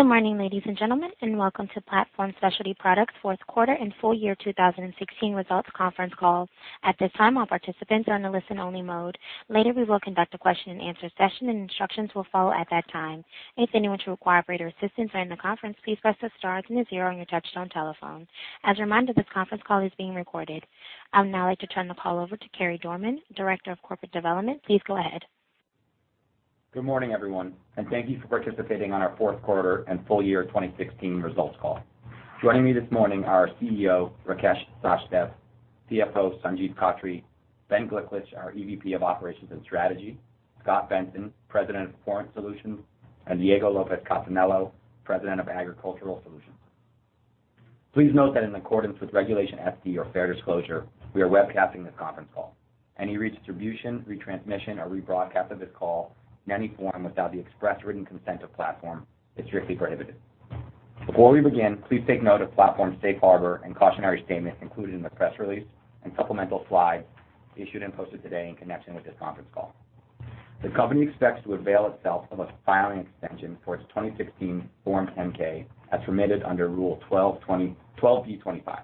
Good morning, ladies and gentlemen, and welcome to Platform Specialty Products' fourth quarter and full year 2016 results conference call. At this time, all participants are in a listen-only mode. Later, we will conduct a question and answer session. Instructions will follow at that time. If anyone should require operator assistance during the conference, please press the star then the zero on your touch-tone telephone. As a reminder, this conference call is being recorded. I would now like to turn the call over to Carey Dorman, Director of Corporate Development. Please go ahead. Good morning, everyone. Thank you for participating on our fourth quarter and full year 2016 results call. Joining me this morning are CEO Rakesh Sachdev, CFO Sanjiv Khattri, Ben Gliklich, our EVP of Operations and Strategy, Scot Benson, President of Performance Solutions, and Diego Lopez Casanello, President of Agricultural Solutions. Please note that in accordance with Regulation FD or fair disclosure, we are webcasting this conference call. Any redistribution, retransmission, or rebroadcast of this call in any form without the express written consent of Platform is strictly prohibited. Before we begin, please take note of Platform's safe harbor and cautionary statements included in the press release and supplemental slides issued and posted today in connection with this conference call. The company expects to avail itself of a filing extension for its 2016 Form 10-K, as permitted under Rule 12b-25.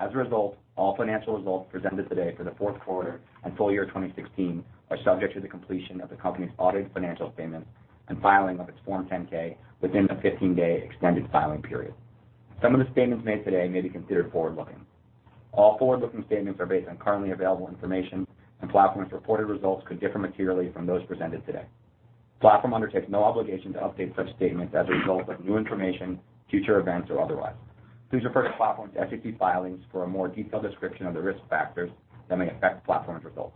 As a result, all financial results presented today for the fourth quarter and full year 2016 are subject to the completion of the company's audited financial statements and filing of its Form 10-K within the 15-day extended filing period. Some of the statements made today may be considered forward-looking. All forward-looking statements are based on currently available information. Platform's reported results could differ materially from those presented today. Platform undertakes no obligation to update such statements as a result of new information, future events, or otherwise. Please refer to Platform's SEC filings for a more detailed description of the risk factors that may affect Platform's results.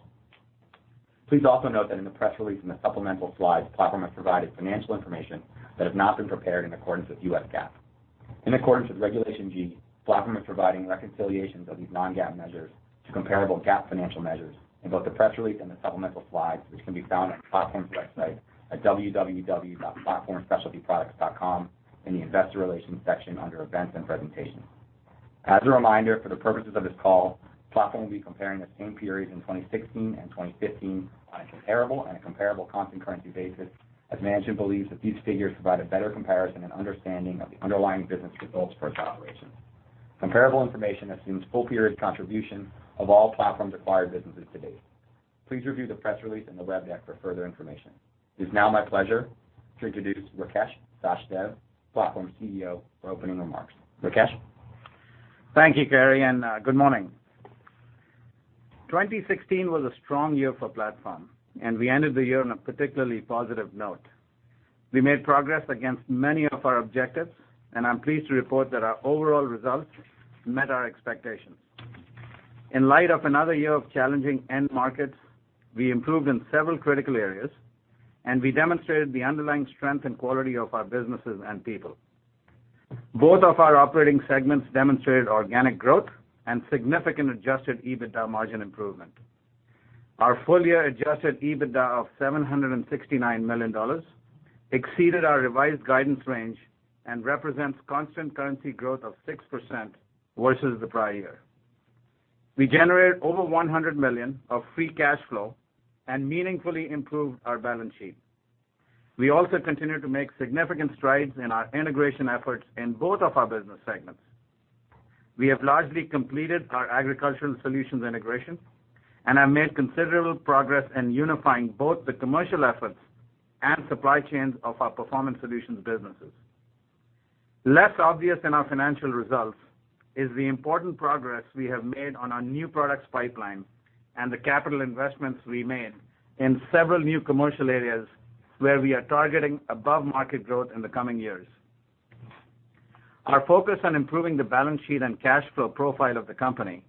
Please also note that in the press release in the supplemental slides, Platform has provided financial information that has not been prepared in accordance with US GAAP. In accordance with Regulation G, Platform is providing reconciliations of these non-GAAP measures to comparable GAAP financial measures in both the press release and the supplemental slides, which can be found on Platform's website at www.platformspecialtyproducts.com in the Investor Relations section under Events and Presentations. As a reminder, for the purposes of this call, Platform will be comparing the same periods in 2016 and 2015 on a comparable and a comparable constant currency basis, as management believes that these figures provide a better comparison and understanding of the underlying business results for its operations. Comparable information assumes full-period contribution of all Platform-acquired businesses to date. Please review the press release and the web deck for further information. It is now my pleasure to introduce Rakesh Sachdev, Platform's CEO, for opening remarks. Rakesh? Thank you, Carey, and good morning. 2016 was a strong year for Platform, and we ended the year on a particularly positive note. We made progress against many of our objectives, and I am pleased to report that our overall results met our expectations. In light of another year of challenging end markets, we improved in several critical areas, and we demonstrated the underlying strength and quality of our businesses and people. Both of our operating segments demonstrated organic growth and significant adjusted EBITDA margin improvement. Our full-year adjusted EBITDA of $769 million exceeded our revised guidance range and represents constant currency growth of 6% versus the prior year. We generated over $100 million of free cash flow and meaningfully improved our balance sheet. We also continue to make significant strides in our integration efforts in both of our business segments. We have largely completed our Agricultural Solutions integration and have made considerable progress in unifying both the commercial efforts and supply chains of our Performance Solutions businesses. Less obvious in our financial results is the important progress we have made on our new products pipeline and the capital investments we made in several new commercial areas where we are targeting above-market growth in the coming years. Our focus on improving the balance sheet and cash flow profile of the company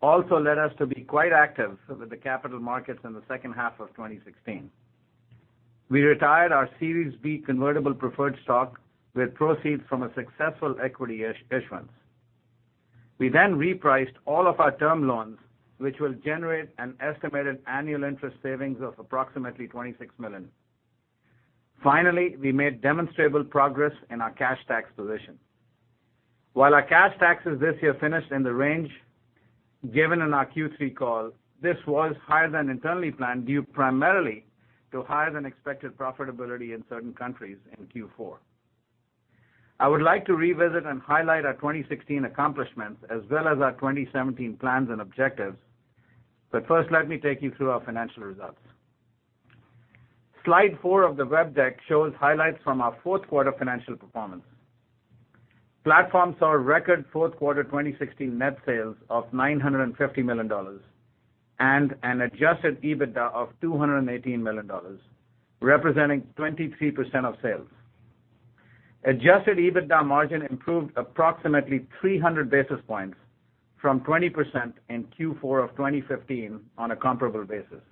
also led us to be quite active with the capital markets in the second half of 2016. We retired our Series B convertible preferred stock with proceeds from a successful equity issuance. We then repriced all of our term loans, which will generate an estimated annual interest savings of approximately $26 million. Finally, we made demonstrable progress in our cash tax position. While our cash taxes this year finished in the range given in our Q3 call, this was higher than internally planned due primarily to higher-than-expected profitability in certain countries in Q4. I would like to revisit and highlight our 2016 accomplishments as well as our 2017 plans and objectives. First, let me take you through our financial results. Slide four of the web deck shows highlights from our fourth quarter financial performance. Platform saw record fourth quarter 2016 net sales of $950 million and an adjusted EBITDA of $218 million, representing 23% of sales. Adjusted EBITDA margin improved approximately 300 basis points from 20% in Q4 of 2015 on a comparable basis.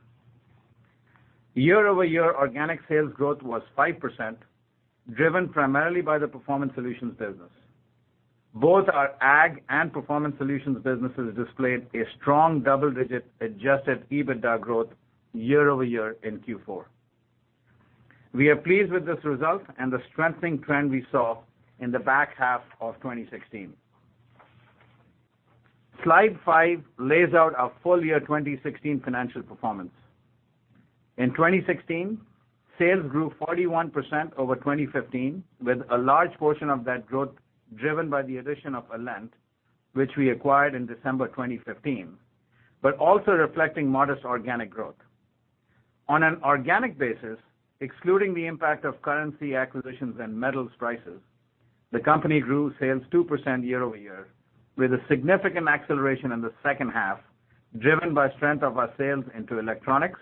Year-over-year organic sales growth was 5%, driven primarily by the Performance Solutions business. Both our Ag and Performance Solutions businesses displayed a strong double-digit adjusted EBITDA growth year-over-year in Q4. We are pleased with this result and the strengthening trend we saw in the back half of 2016. Slide five lays out our full year 2016 financial performance. In 2016, sales grew 41% over 2015, with a large portion of that growth driven by the addition of Alent, which we acquired in December 2015, but also reflecting modest organic growth. On an organic basis, excluding the impact of currency acquisitions and metals prices, the company grew sales 2% year-over-year, with a significant acceleration in the second half, driven by strength of our sales into electronics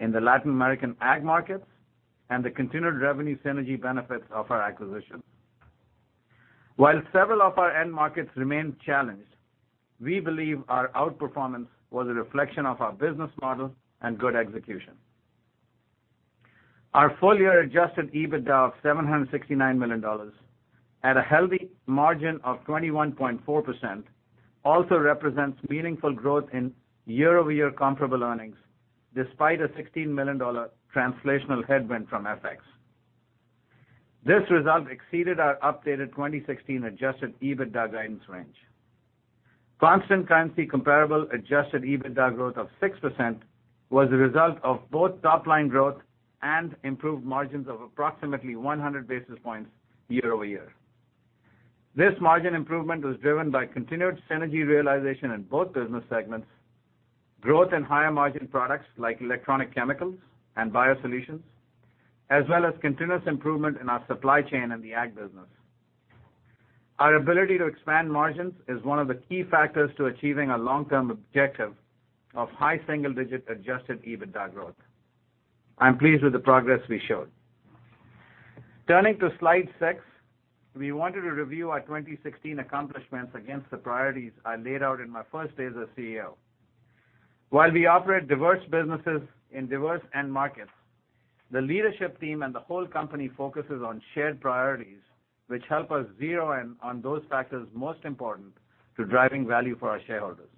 in the Latin American ag markets, and the continued revenue synergy benefits of our acquisitions. While several of our end markets remained challenged, we believe our outperformance was a reflection of our business model and good execution. Our full-year adjusted EBITDA of $769 million, at a healthy margin of 21.4%, also represents meaningful growth in year-over-year comparable earnings, despite a $16 million translational headwind from FX. This result exceeded our updated 2016 adjusted EBITDA guidance range. Constant currency comparable adjusted EBITDA growth of 6% was a result of both top-line growth and improved margins of approximately 100 basis points year-over-year. This margin improvement was driven by continued synergy realization in both business segments, growth in higher margin products like electronic chemicals and biosolutions, as well as continuous improvement in our supply chain in the Ag business. Our ability to expand margins is one of the key factors to achieving our long-term objective of high single-digit adjusted EBITDA growth. I'm pleased with the progress we showed. Turning to slide six, we wanted to review our 2016 accomplishments against the priorities I laid out in my first day as a CEO. While we operate diverse businesses in diverse end markets, the leadership team and the whole company focuses on shared priorities, which help us zero in on those factors most important to driving value for our shareholders.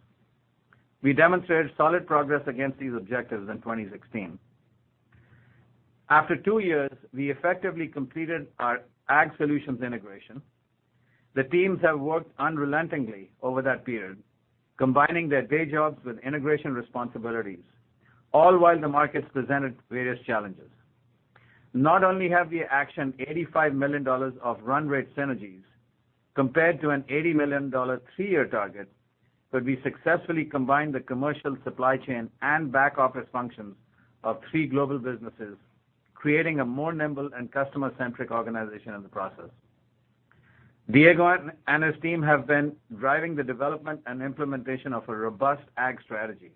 We demonstrated solid progress against these objectives in 2016. After two years, we effectively completed our Ag Solutions integration. The teams have worked unrelentingly over that period, combining their day jobs with integration responsibilities, all while the markets presented various challenges. Not only have we actioned $85 million of run rate synergies compared to an $80 million three-year target, but we successfully combined the commercial supply chain and back office functions of three global businesses, creating a more nimble and customer-centric organization in the process. Diego and his team have been driving the development and implementation of a robust Ag strategy,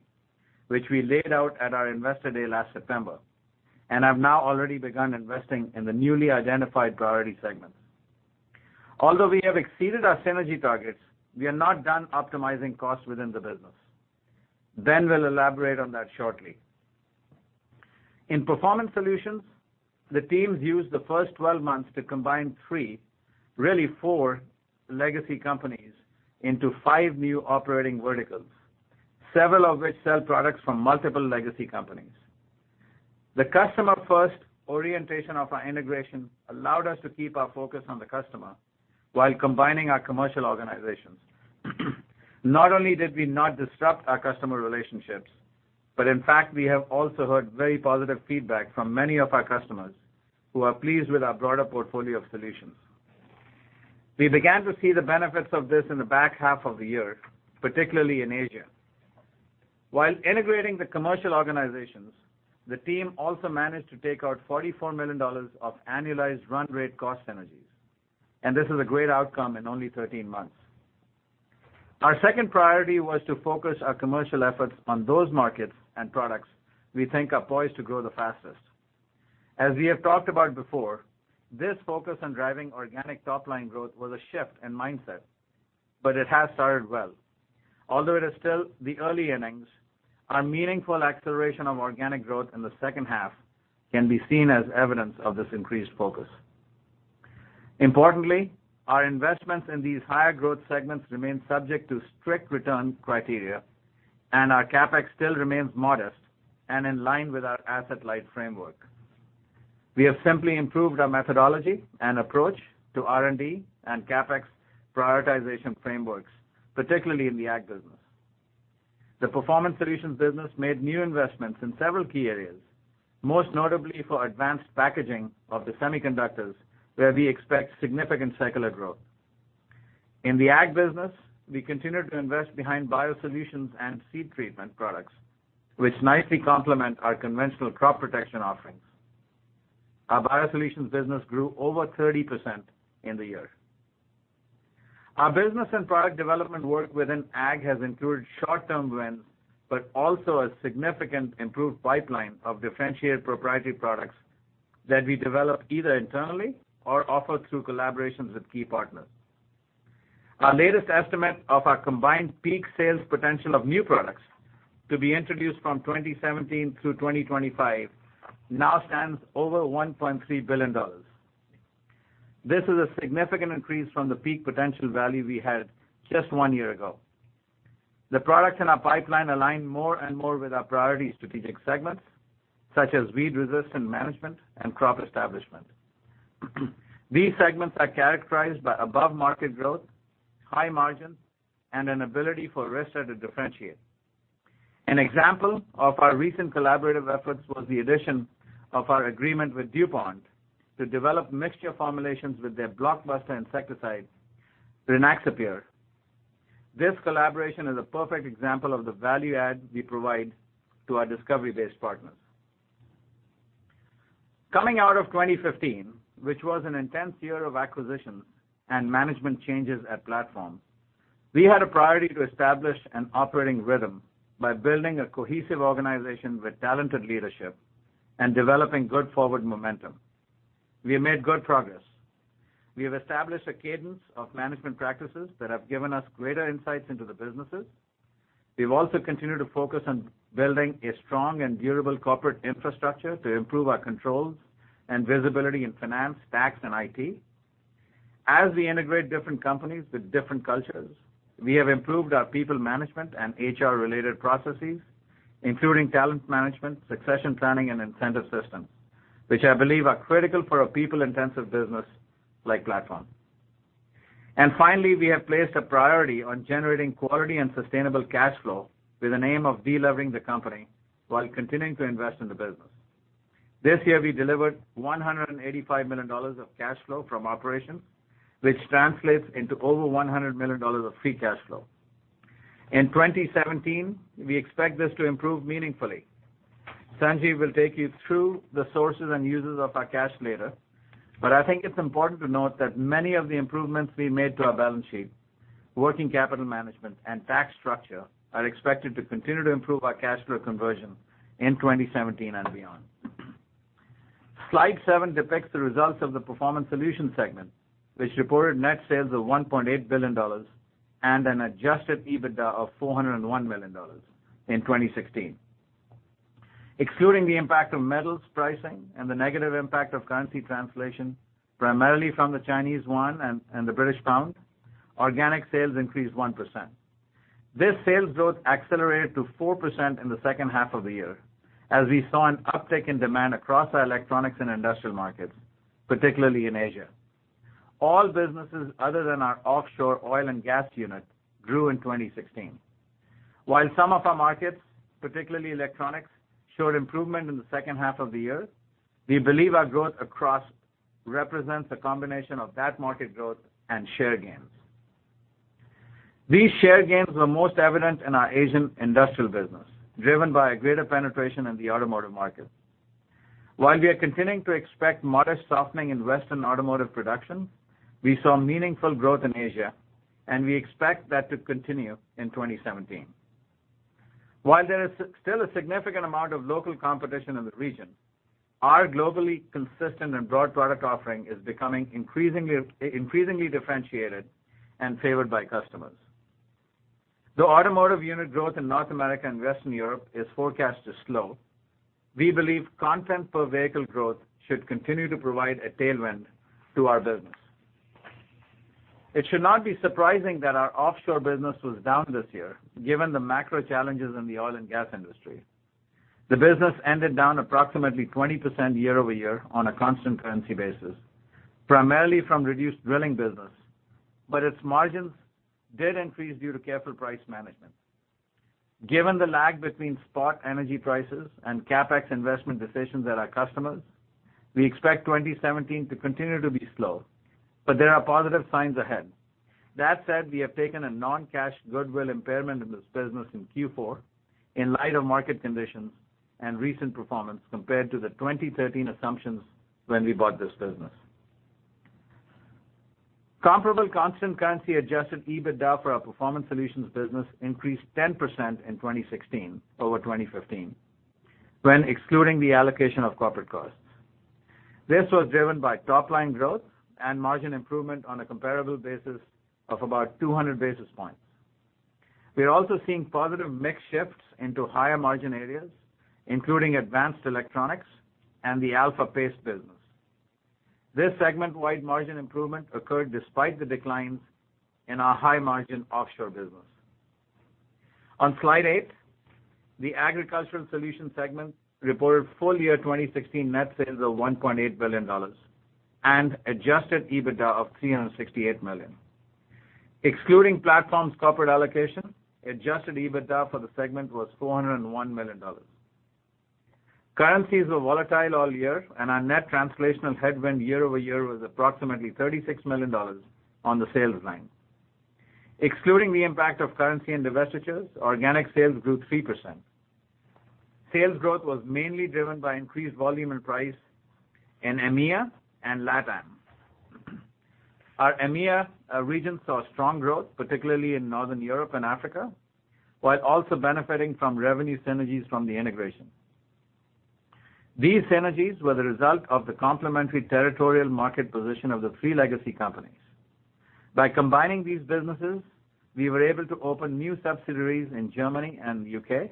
which we laid out at our Investor Day last September, have now already begun investing in the newly identified priority segments. Although we have exceeded our synergy targets, we are not done optimizing costs within the business. Ben will elaborate on that shortly. In Performance Solutions, the teams used the first 12 months to combine three, really four, legacy companies into five new operating verticals, several of which sell products from multiple legacy companies. The customer-first orientation of our integration allowed us to keep our focus on the customer while combining our commercial organizations. Not only did we not disrupt our customer relationships, but in fact, we have also heard very positive feedback from many of our customers who are pleased with our broader portfolio of solutions. We began to see the benefits of this in the back half of the year, particularly in Asia. While integrating the commercial organizations, the team also managed to take out $44 million of annualized run rate cost synergies, and this is a great outcome in only 13 months. Our second priority was to focus our commercial efforts on those markets and products we think are poised to grow the fastest. As we have talked about before, this focus on driving organic top-line growth was a shift in mindset, but it has started well. Although it is still the early innings, our meaningful acceleration of organic growth in the second half can be seen as evidence of this increased focus. Importantly, our investments in these higher growth segments remain subject to strict return criteria, and our CapEx still remains modest and in line with our asset-light framework. We have simply improved our methodology and approach to R&D and CapEx prioritization frameworks, particularly in the ag business. The Performance Solutions business made new investments in several key areas, most notably for advanced packaging of the semiconductors, where we expect significant secular growth. In the ag business, we continue to invest behind biosolutions and seed treatment products, which nicely complement our conventional crop protection offerings. Our biosolutions business grew over 30% in the year. Our business and product development work within ag has ensured short-term wins, but also a significant improved pipeline of differentiated proprietary products that we develop either internally or offer through collaborations with key partners. Our latest estimate of our combined peak sales potential of new products to be introduced from 2017 through 2025 now stands over $1.3 billion. This is a significant increase from the peak potential value we had just one year ago. The products in our pipeline align more and more with our priority strategic segments, such as weed resistance management and crop establishment. These segments are characterized by above market growth, high margins, and an ability for Arysta to differentiate. An example of our recent collaborative efforts was the addition of our agreement with DuPont to develop mixture formulations with their blockbuster insecticide, Rynaxypyr. This collaboration is a perfect example of the value add we provide to our discovery-based partners. Coming out of 2015, which was an intense year of acquisitions and management changes at Platform, we had a priority to establish an operating rhythm by building a cohesive organization with talented leadership and developing good forward momentum. We have made good progress. We have established a cadence of management practices that have given us greater insights into the businesses. We've also continued to focus on building a strong and durable corporate infrastructure to improve our controls and visibility in finance, tax, and IT. As we integrate different companies with different cultures, we have improved our people management and HR-related processes, including talent management, succession planning, and incentive systems, which I believe are critical for a people-intensive business like Platform. Finally, we have placed a priority on generating quality and sustainable cash flow with an aim of de-levering the company while continuing to invest in the business. This year, we delivered $185 million of cash flow from operations, which translates into over $100 million of free cash flow. In 2017, we expect this to improve meaningfully. Sanjiv will take you through the sources and uses of our cash later, but I think it's important to note that many of the improvements we made to our balance sheet, working capital management, and tax structure, are expected to continue to improve our cash flow conversion in 2017 and beyond. Slide seven depicts the results of the Performance Solutions segment, which reported net sales of $1.8 billion and an adjusted EBITDA of $401 million in 2016. Excluding the impact of metals pricing and the negative impact of currency translation, primarily from the Chinese yuan and the British pound, organic sales increased 1%. This sales growth accelerated to 4% in the second half of the year, as we saw an uptick in demand across our electronics and industrial markets, particularly in Asia. All businesses other than our offshore oil and gas unit grew in 2016. While some of our markets, particularly electronics, showed improvement in the second half of the year, we believe our growth represents a combination of that market growth and share gains. These share gains were most evident in our Asian industrial business, driven by a greater penetration in the automotive market. While we are continuing to expect modest softening in Western automotive production, we saw meaningful growth in Asia, and we expect that to continue in 2017. While there is still a significant amount of local competition in the region, our globally consistent and broad product offering is becoming increasingly differentiated and favored by customers. The automotive unit growth in North America and Western Europe is forecast to slow. We believe content per vehicle growth should continue to provide a tailwind to our business. It should not be surprising that our offshore business was down this year, given the macro challenges in the oil and gas industry. The business ended down approximately 20% year-over-year on a constant currency basis, primarily from reduced drilling business, but its margins did increase due to careful price management. Given the lag between spot energy prices and CapEx investment decisions at our customers, we expect 2017 to continue to be slow, but there are positive signs ahead. That said, we have taken a non-cash goodwill impairment in this business in Q4 in light of market conditions and recent performance compared to the 2013 assumptions when we bought this business. Comparable constant currency adjusted EBITDA for our Performance Solutions business increased 10% in 2016 over 2015, when excluding the allocation of corporate costs. This was driven by top-line growth and margin improvement on a comparable basis of about 200 basis points. We are also seeing positive mix shifts into higher margin areas, including advanced electronics and the Alpha Paste business. This segment-wide margin improvement occurred despite the declines in our high-margin offshore business. On slide eight, the Agricultural Solutions segment reported full-year 2016 net sales of $1.8 billion and adjusted EBITDA of $368 million. Excluding Platform's corporate allocation, adjusted EBITDA for the segment was $401 million. Currencies were volatile all year, our net translational headwind year-over-year was approximately $36 million on the sales line. Excluding the impact of currency and divestitures, organic sales grew 3%. Sales growth was mainly driven by increased volume and price in EMEA and LATAM. Our EMEA region saw strong growth, particularly in Northern Europe and Africa, while also benefiting from revenue synergies from the integration. These synergies were the result of the complementary territorial market position of the three legacy companies. By combining these businesses, we were able to open new subsidiaries in Germany and the U.K.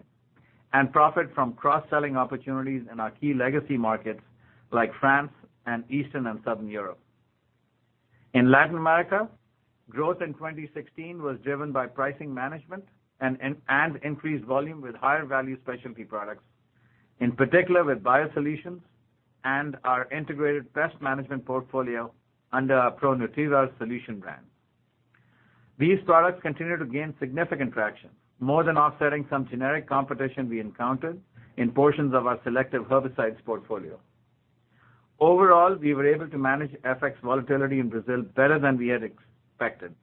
and profit from cross-selling opportunities in our key legacy markets like France and Eastern and Southern Europe. In Latin America, growth in 2016 was driven by pricing management and increased volume with higher value specialty products. In particular, with biosolutions and our integrated pest management portfolio under our ProNutria solution brand. These products continue to gain significant traction, more than offsetting some generic competition we encountered in portions of our selective herbicides portfolio. Overall, we were able to manage FX volatility in Brazil better than we had expected.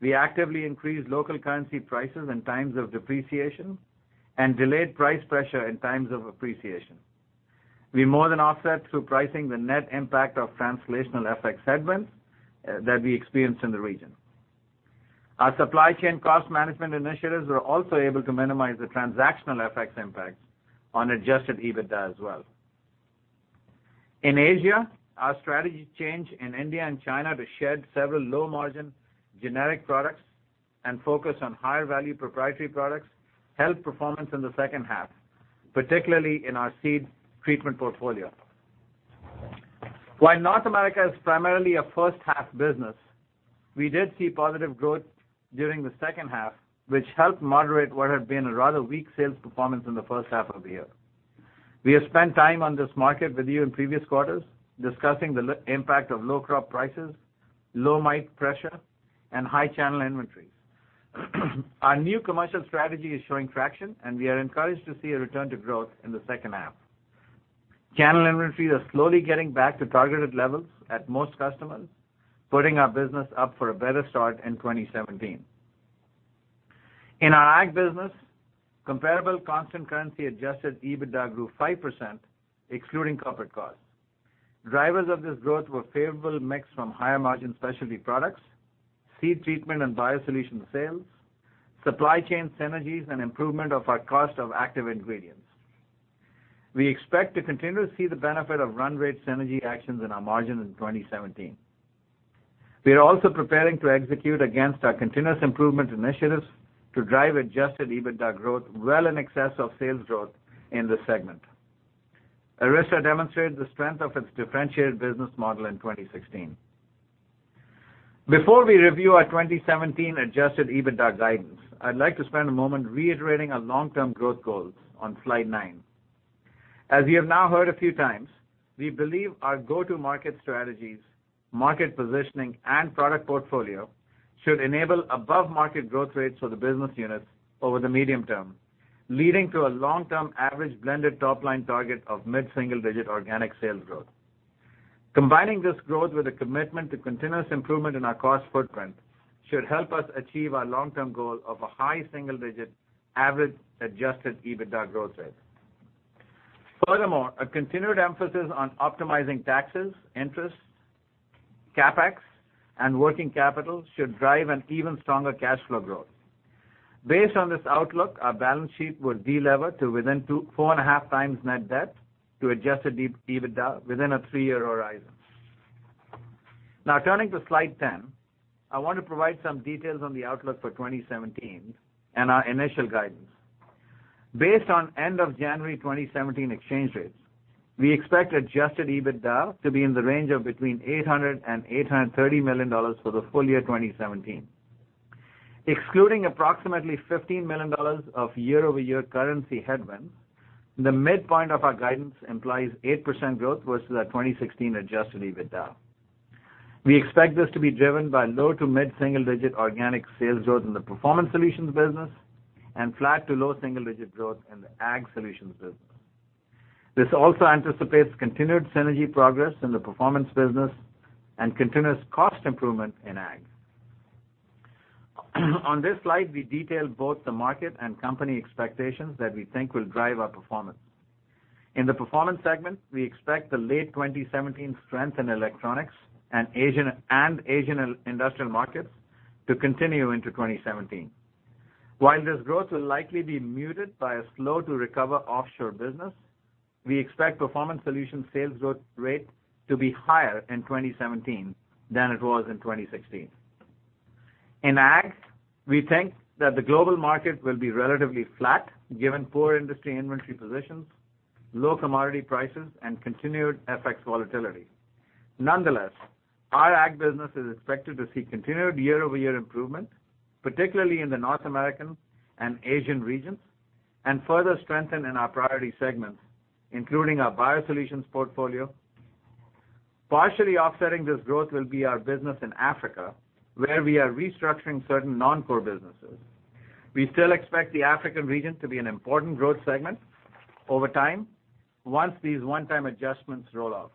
We actively increased local currency prices in times of depreciation and delayed price pressure in times of appreciation. We more than offset through pricing the net impact of translational FX headwinds that we experienced in the region. Our supply chain cost management initiatives were also able to minimize the transactional FX impacts on adjusted EBITDA as well. In Asia, our strategy change in India and China to shed several low-margin generic products and focus on higher-value proprietary products helped performance in the second half, particularly in our seed treatment portfolio. While North America is primarily a first-half business, we did see positive growth during the second half, which helped moderate what had been a rather weak sales performance in the first half of the year. We have spent time on this market with you in previous quarters discussing the impact of low crop prices, low mite pressure, and high channel inventories. Our new commercial strategy is showing traction, and we are encouraged to see a return to growth in the second half. Channel inventories are slowly getting back to targeted levels at most customers, putting our business up for a better start in 2017. In our Ag business, comparable constant currency adjusted EBITDA grew 5%, excluding corporate costs. Drivers of this growth were favorable mix from higher-margin specialty products, seed treatment and biosolutions sales, supply chain synergies, and improvement of our cost of active ingredients. We expect to continue to see the benefit of run rate synergy actions in our margin in 2017. We are also preparing to execute against our continuous improvement initiatives to drive adjusted EBITDA growth well in excess of sales growth in this segment. Arysta demonstrated the strength of its differentiated business model in 2016. Before we review our 2017 adjusted EBITDA guidance, I'd like to spend a moment reiterating our long-term growth goals on slide nine. As you have now heard a few times, we believe our go-to-market strategies, market positioning, and product portfolio should enable above-market growth rates for the business units over the medium term, leading to a long-term average blended top-line target of mid-single-digit organic sales growth. Combining this growth with a commitment to continuous improvement in our cost footprint should help us achieve our long-term goal of a high single-digit average adjusted EBITDA growth rate. Furthermore, a continued emphasis on optimizing taxes, interest, CapEx, and working capital should drive an even stronger cash flow growth. Based on this outlook, our balance sheet will de-lever to within 4.5 times net debt to adjusted EBITDA within a three-year horizon. Now turning to slide 10, I want to provide some details on the outlook for 2017 and our initial guidance. Based on end of January 2017 exchange rates, we expect adjusted EBITDA to be in the range of between $800 million and $830 million for the full year 2017. Excluding approximately $15 million of year-over-year currency headwinds, the midpoint of our guidance implies 8% growth versus our 2016 adjusted EBITDA. We expect this to be driven by low to mid-single digit organic sales growth in the Performance Solutions business and flat to low single-digit growth in the Ag Solutions business. This also anticipates continued synergy progress in the Performance business and continuous cost improvement in Ag. On this slide, we detail both the market and company expectations that we think will drive our performance. In the Performance Solutions segment, we expect the late 2017 strength in electronics and Asian industrial markets to continue into 2017. While this growth will likely be muted by a slow-to-recover offshore business, we expect Performance Solutions sales growth rate to be higher in 2017 than it was in 2016. In Ag Solutions, we think that the global market will be relatively flat given poor industry inventory positions, low commodity prices, and continued FX volatility. Nonetheless, our Ag Solutions business is expected to see continued year-over-year improvement, particularly in the North American and Asian regions, and further strengthen in our priority segments, including our biosolutions portfolio. Partially offsetting this growth will be our business in Africa, where we are restructuring certain non-core businesses. We still expect the African region to be an important growth segment over time once these one-time adjustments roll off.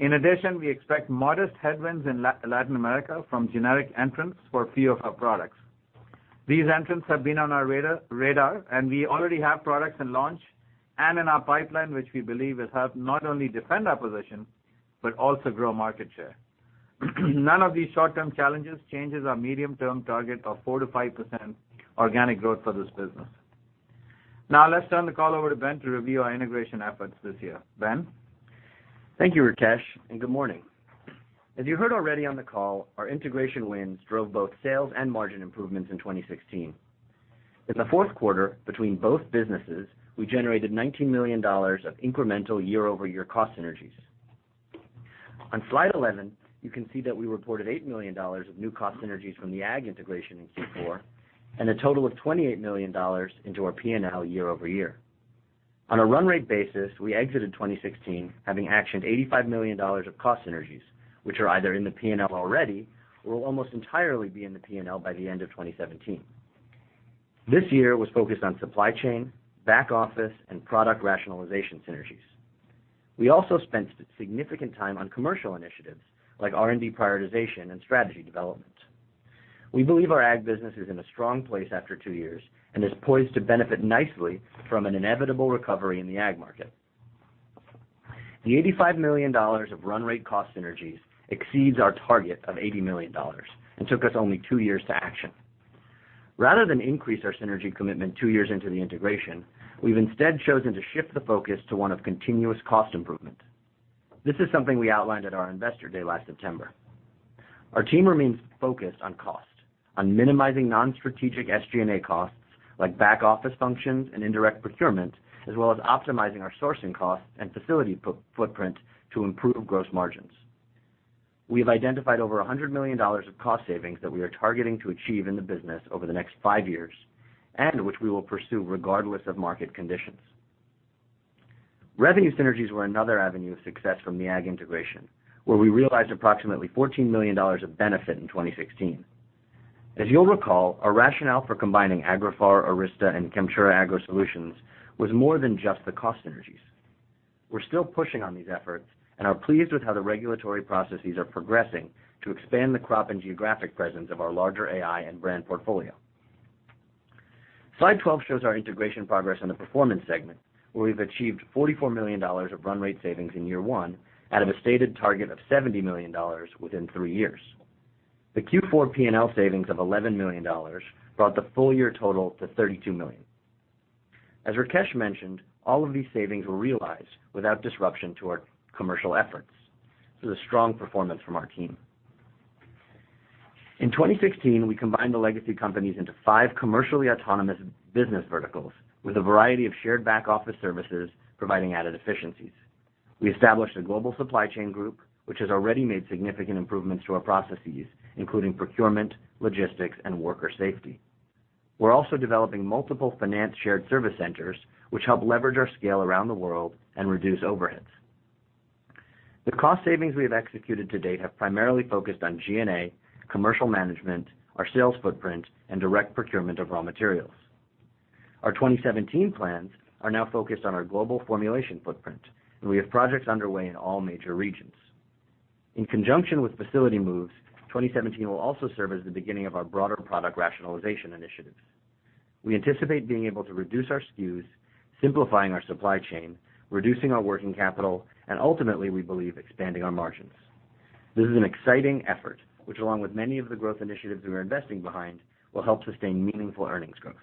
We expect modest headwinds in Latin America from generic entrants for a few of our products. These entrants have been on our radar, and we already have products in launch and in our pipeline, which we believe will help not only defend our position, but also grow market share. None of these short-term challenges changes our medium-term target of 4%-5% organic growth for this business. Let's turn the call over to Ben to review our integration efforts this year. Ben? Thank you, Rakesh, and good morning. As you heard already on the call, our integration wins drove both sales and margin improvements in 2016. The fourth quarter, between both businesses, we generated $19 million of incremental year-over-year cost synergies. On slide 11, you can see that we reported $8 million of new cost synergies from the Ag Solutions integration in Q4, and a total of $28 million into our P&L year-over-year. On a run rate basis, we exited 2016 having actioned $85 million of cost synergies, which are either in the P&L already or will almost entirely be in the P&L by the end of 2017. This year was focused on supply chain, back office, and product rationalization synergies. We also spent significant time on commercial initiatives like R&D prioritization and strategy development. We believe our Ag Solutions business is in a strong place after two years and is poised to benefit nicely from an inevitable recovery in the Ag Solutions market. The $85 million of run rate cost synergies exceeds our target of $80 million and took us only two years to action. Rather than increase our synergy commitment two years into the integration, we've instead chosen to shift the focus to one of continuous cost improvement. This is something we outlined at our investor day last September. Our team remains focused on cost, on minimizing non-strategic SG&A costs like back-office functions and indirect procurement, as well as optimizing our sourcing costs and facility footprint to improve gross margins. We have identified over $100 million of cost savings that we are targeting to achieve in the business over the next five years, and which we will pursue regardless of market conditions. Revenue synergies were another avenue of success from the Ag integration, where we realized approximately $14 million of benefit in 2016. As you'll recall, our rationale for combining Agriphar, Arysta, and Chemtura AgroSolutions was more than just the cost synergies. We're still pushing on these efforts and are pleased with how the regulatory processes are progressing to expand the crop and geographic presence of our larger AI and brand portfolio. Slide 12 shows our integration progress on the Performance Solutions segment, where we've achieved $44 million of run rate savings in year one out of a stated target of $70 million within three years. The Q4 P&L savings of $11 million brought the full-year total to $32 million. As Rakesh mentioned, all of these savings were realized without disruption to our commercial efforts. This is a strong performance from our team. In 2016, we combined the legacy companies into five commercially autonomous business verticals with a variety of shared back-office services providing added efficiencies. We established a global supply chain group, which has already made significant improvements to our processes, including procurement, logistics, and worker safety. We're also developing multiple finance shared service centers, which help leverage our scale around the world and reduce overheads. The cost savings we have executed to date have primarily focused on G&A, commercial management, our sales footprint, and direct procurement of raw materials. Our 2017 plans are now focused on our global formulation footprint, and we have projects underway in all major regions. In conjunction with facility moves, 2017 will also serve as the beginning of our broader product rationalization initiatives. We anticipate being able to reduce our SKUs, simplifying our supply chain, reducing our working capital, and ultimately, we believe, expanding our margins. This is an exciting effort, which, along with many of the growth initiatives we are investing behind, will help sustain meaningful earnings growth.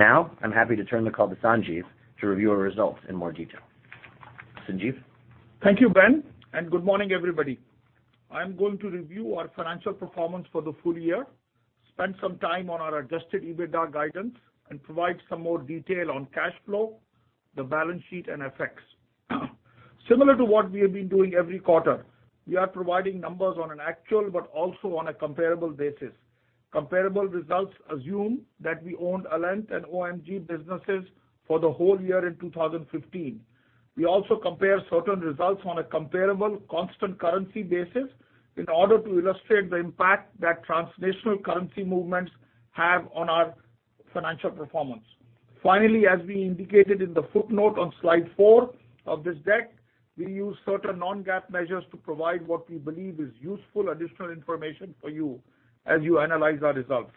I'm happy to turn the call to Sanjiv to review our results in more detail. Sanjiv? Thank you, Ben, and good morning, everybody. I'm going to review our financial performance for the full year, spend some time on our adjusted EBITDA guidance, and provide some more detail on cash flow, the balance sheet, and FX. Similar to what we have been doing every quarter, we are providing numbers on an actual but also on a comparable basis. Comparable results assume that we owned Alent and OM Group, Inc. businesses for the whole year in 2015. We also compare certain results on a comparable constant currency basis in order to illustrate the impact that translational currency movements have on our financial performance. Finally, as we indicated in the footnote on slide four of this deck, we use certain non-GAAP measures to provide what we believe is useful additional information for you as you analyze our results.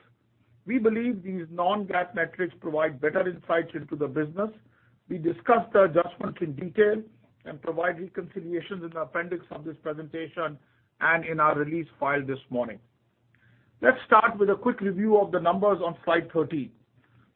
We believe these non-GAAP metrics provide better insights into the business. We discuss the adjustments in detail and provide reconciliations in the appendix of this presentation and in our release filed this morning. Let's start with a quick review of the numbers on slide 13.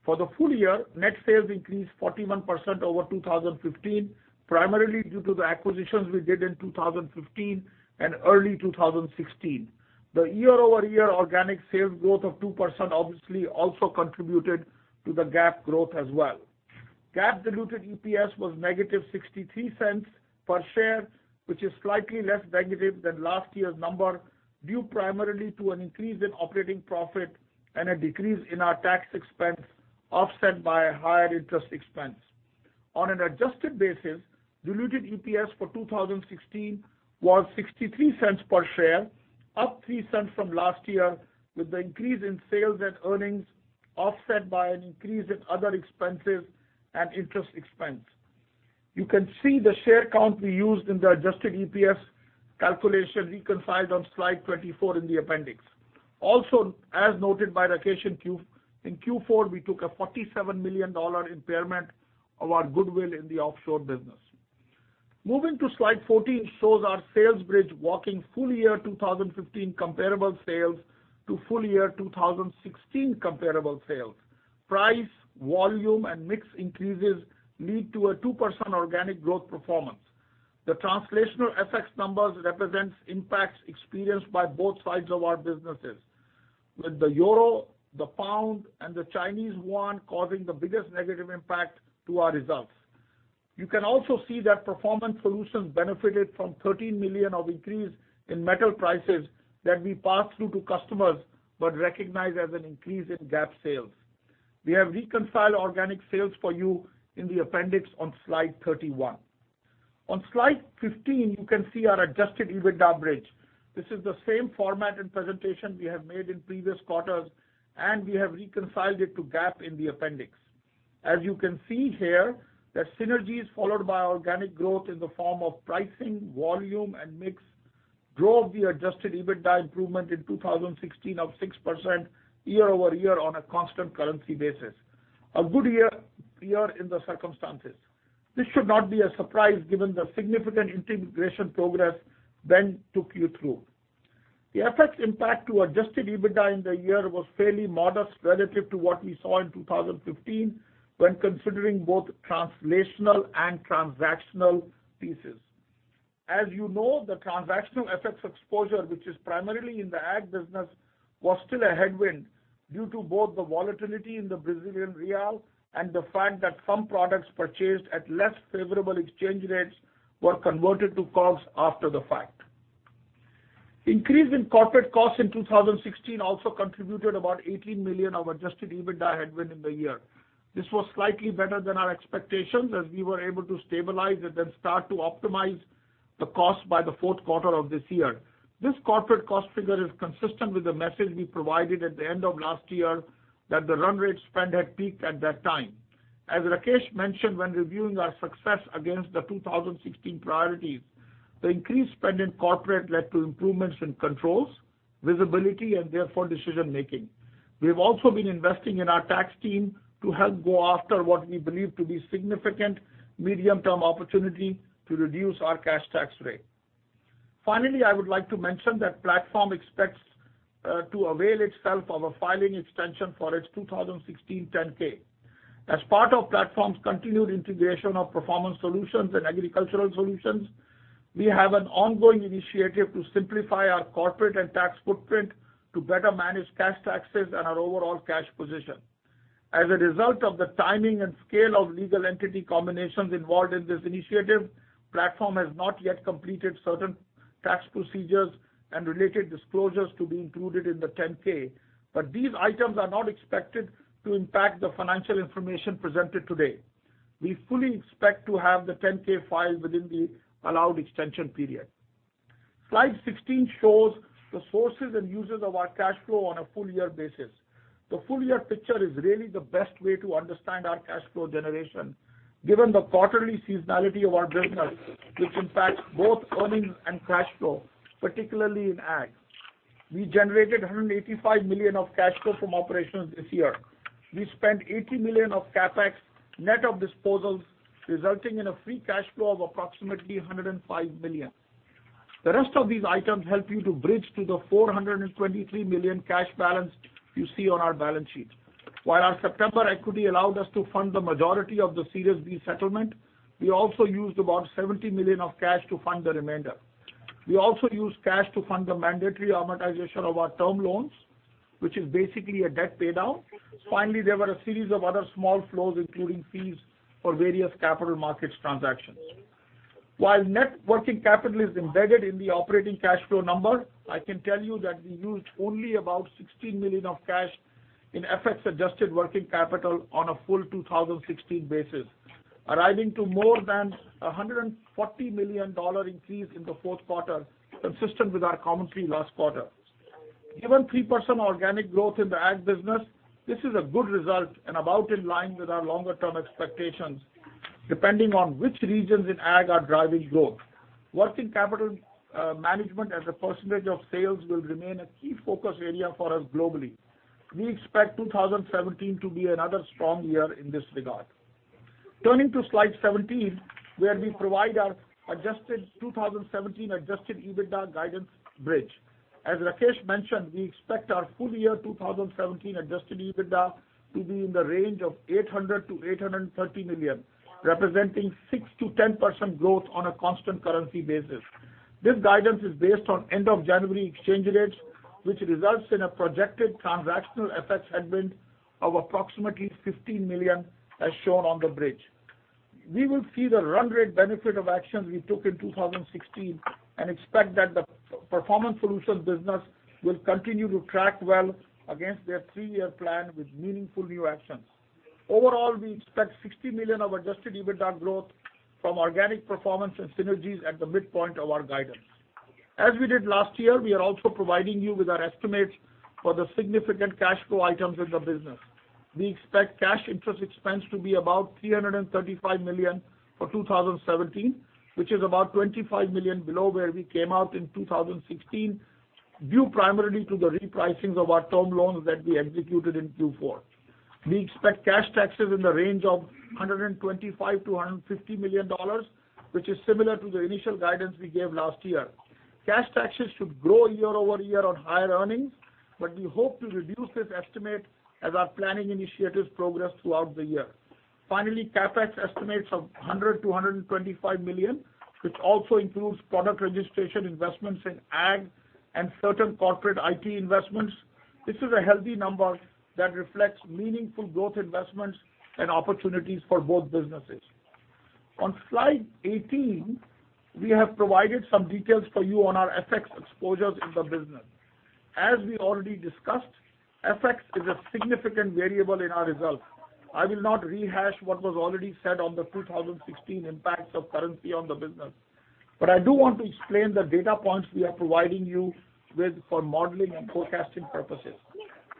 For the full year, net sales increased 41% over 2015, primarily due to the acquisitions we did in 2015 and early 2016. The year-over-year organic sales growth of 2% obviously also contributed to the GAAP growth as well. GAAP diluted EPS was negative $0.63 per share, which is slightly less negative than last year's number, due primarily to an increase in operating profit and a decrease in our tax expense, offset by a higher interest expense. On an adjusted basis, diluted EPS for 2016 was $0.63 per share, up $0.03 from last year, with the increase in sales and earnings offset by an increase in other expenses and interest expense. You can see the share count we used in the adjusted EPS calculation reconciled on slide 24 in the appendix. Also, as noted by Rakesh in Q4, we took a $47 million impairment of our goodwill in the offshore business. Moving to slide 14 shows our sales bridge walking full-year 2015 comparable sales to full-year 2016 comparable sales. Price, volume, and mix increases lead to a 2% organic growth performance. The translational FX numbers represents impacts experienced by both sides of our businesses. With the euro, the pound, and the Chinese yuan causing the biggest negative impact to our results. You can also see that Performance Solutions benefited from $13 million of increase in metal prices that we passed through to customers but recognized as an increase in GAAP sales. We have reconciled organic sales for you in the appendix on slide 31. On slide 15, you can see our adjusted EBITDA bridge. This is the same format and presentation we have made in previous quarters, and we have reconciled it to GAAP in the appendix. As you can see here, the synergies followed by organic growth in the form of pricing, volume, and mix drove the adjusted EBITDA improvement in 2016 of 6% year-over-year on a constant currency basis. A good year in the circumstances. This should not be a surprise given the significant integration progress Ben took you through. The FX impact to adjusted EBITDA in the year was fairly modest relative to what we saw in 2015 when considering both translational and transactional pieces. As you know, the transactional FX exposure, which is primarily in the ag business, was still a headwind due to both the volatility in the Brazilian real and the fact that some products purchased at less favorable exchange rates were converted to COGS after the fact. Increase in corporate costs in 2016 also contributed about $18 million of adjusted EBITDA headwind in the year. This was slightly better than our expectations as we were able to stabilize it, then start to optimize the cost by the fourth quarter of this year. This corporate cost figure is consistent with the message we provided at the end of last year that the run rate spend had peaked at that time. As Rakesh mentioned when reviewing our success against the 2016 priorities, the increased spend in corporate led to improvements in controls, visibility, and therefore decision-making. We've also been investing in our tax team to help go after what we believe to be significant medium-term opportunity to reduce our cash tax rate. Finally, I would like to mention that Platform expects to avail itself of a filing extension for its 2016 10-K. As part of Platform's continued integration of Performance Solutions and Agricultural Solutions, we have an ongoing initiative to simplify our corporate and tax footprint to better manage cash taxes and our overall cash position. As a result of the timing and scale of legal entity combinations involved in this initiative, Platform has not yet completed certain tax procedures and related disclosures to be included in the 10-K. These items are not expected to impact the financial information presented today. We fully expect to have the 10-K filed within the allowed extension period. Slide 16 shows the sources and uses of our cash flow on a full-year basis. The full-year picture is really the best way to understand our cash flow generation, given the quarterly seasonality of our business, which impacts both earnings and cash flow, particularly in Ag. We generated $185 million of cash flow from operations this year. We spent $80 million of CapEx net of disposals, resulting in a free cash flow of approximately $105 million. The rest of these items help you to bridge to the $423 million cash balance you see on our balance sheet. While our September equity allowed us to fund the majority of the Series B settlement, we also used about $70 million of cash to fund the remainder. We also used cash to fund the mandatory amortization of our term loans, which is basically a debt paydown. Finally, there were a series of other small flows, including fees for various capital markets transactions. While net working capital is embedded in the operating cash flow number, I can tell you that we used only about $16 million of cash in FX-adjusted working capital on a full 2016 basis, arriving to more than $140 million increase in the fourth quarter, consistent with our commentary last quarter. Given 3% organic growth in the Ag business, this is a good result and about in line with our longer-term expectations, depending on which regions in Ag are driving growth. Working capital management as a percentage of sales will remain a key focus area for us globally. We expect 2017 to be another strong year in this regard. Turning to slide 17, where we provide our 2017 adjusted EBITDA guidance bridge. As Rakesh mentioned, we expect our full-year 2017 adjusted EBITDA to be in the range of $800 million-$830 million, representing 6%-10% growth on a constant currency basis. This guidance is based on end of January exchange rates, which results in a projected transactional FX headwind of approximately $15 million as shown on the bridge. We will see the run rate benefit of actions we took in 2016 and expect that the Performance Solutions business will continue to track well against their three-year plan with meaningful new actions. Overall, we expect $60 million of adjusted EBITDA growth from organic performance and synergies at the midpoint of our guidance. As we did last year, we are also providing you with our estimates for the significant cash flow items in the business. We expect cash interest expense to be about $335 million for 2017, which is about $25 million below where we came out in 2016, due primarily to the repricing of our term loans that we executed in Q4. We expect cash taxes in the range of $125 million-$150 million, which is similar to the initial guidance we gave last year. Cash taxes should grow year-over-year on higher earnings, but we hope to reduce this estimate as our planning initiatives progress throughout the year. Finally, CapEx estimates of $100 million-$125 million, which also includes product registration investments in Ag and certain corporate IT investments. This is a healthy number that reflects meaningful growth investments and opportunities for both businesses. On slide 18, we have provided some details for you on our FX exposures in the business. As we already discussed, FX is a significant variable in our results. I will not rehash what was already said on the 2016 impacts of currency on the business. I do want to explain the data points we are providing you with for modeling and forecasting purposes.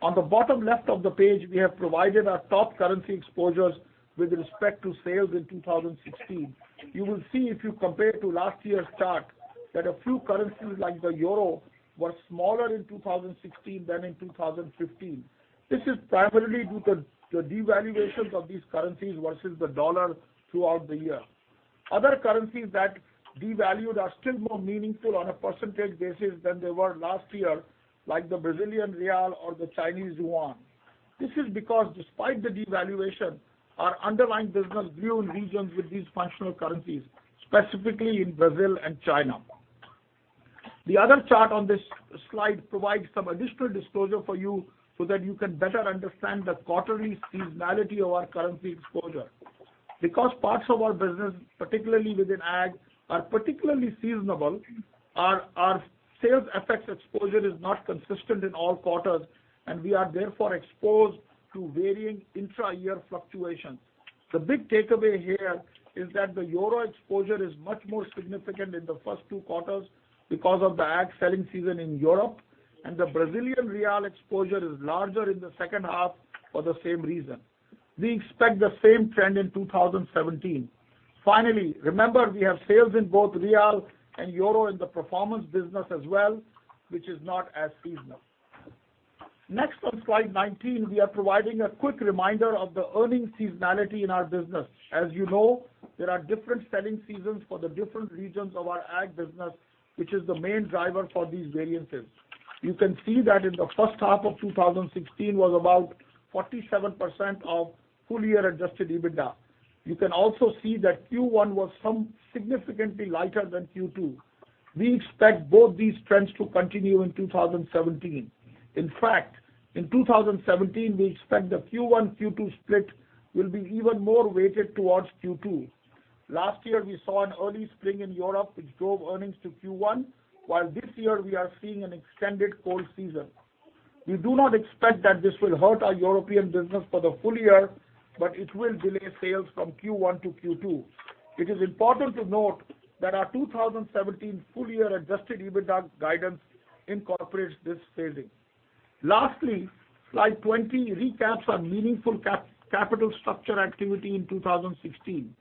On the bottom left of the page, we have provided our top currency exposures with respect to sales in 2016. You will see if you compare to last year's chart, that a few currencies, like the euro, were smaller in 2016 than in 2015. This is primarily due to the devaluations of these currencies versus the dollar throughout the year. Other currencies that devalued are still more meaningful on a percentage basis than they were last year, like the Brazilian real or the Chinese yuan. This is because despite the devaluation, our underlying business grew in regions with these functional currencies, specifically in Brazil and China. The other chart on this slide provides some additional disclosure for you so that you can better understand the quarterly seasonality of our currency exposure. Because parts of our business, particularly within Ag, are particularly seasonable, our sales effects exposure is not consistent in all quarters, and we are therefore exposed to varying intra-year fluctuations. The big takeaway here is that the euro exposure is much more significant in the first two quarters because of the Ag selling season in Europe, and the Brazilian real exposure is larger in the second half for the same reason. We expect the same trend in 2017. Finally, remember, we have sales in both real and euro in the performance business as well, which is not as seasonal. Next on slide 19, we are providing a quick reminder of the earnings seasonality in our business. As you know, there are different selling seasons for the different regions of our Ag business, which is the main driver for these variances. You can see that in the first half of 2016 was about 47% of full-year adjusted EBITDA. You can also see that Q1 was significantly lighter than Q2. We expect both these trends to continue in 2017. In fact, in 2017, we expect the Q1, Q2 split will be even more weighted towards Q2. Last year, we saw an early spring in Europe, which drove earnings to Q1, while this year we are seeing an extended cold season. We do not expect that this will hurt our European business for the full year, but it will delay sales from Q1 to Q2. It is important to note that our 2017 full-year adjusted EBITDA guidance incorporates this failing. Lastly, slide 20 recaps our meaningful capital structure activity in 2016.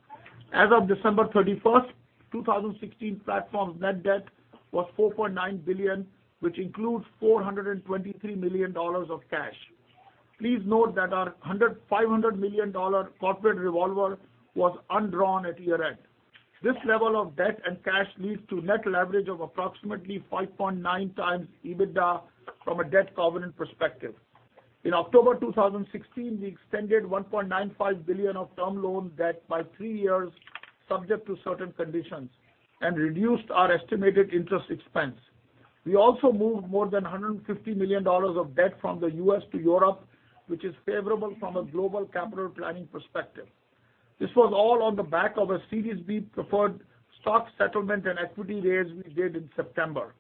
As of December 31st, 2016, Platform's net debt was $4.9 billion, which includes $423 million of cash. Please note that our $500 million corporate revolver was undrawn at year-end. This level of debt and cash leads to net leverage of approximately 5.9 times EBITDA from a debt covenant perspective. In October 2016, we extended $1.95 billion of term loan debt by three years, subject to certain conditions, and reduced our estimated interest expense. We also moved more than $150 million of debt from the U.S. to Europe, which is favorable from a global capital planning perspective. This was all on the back of a Series B preferred stock settlement and equity raise we did in September.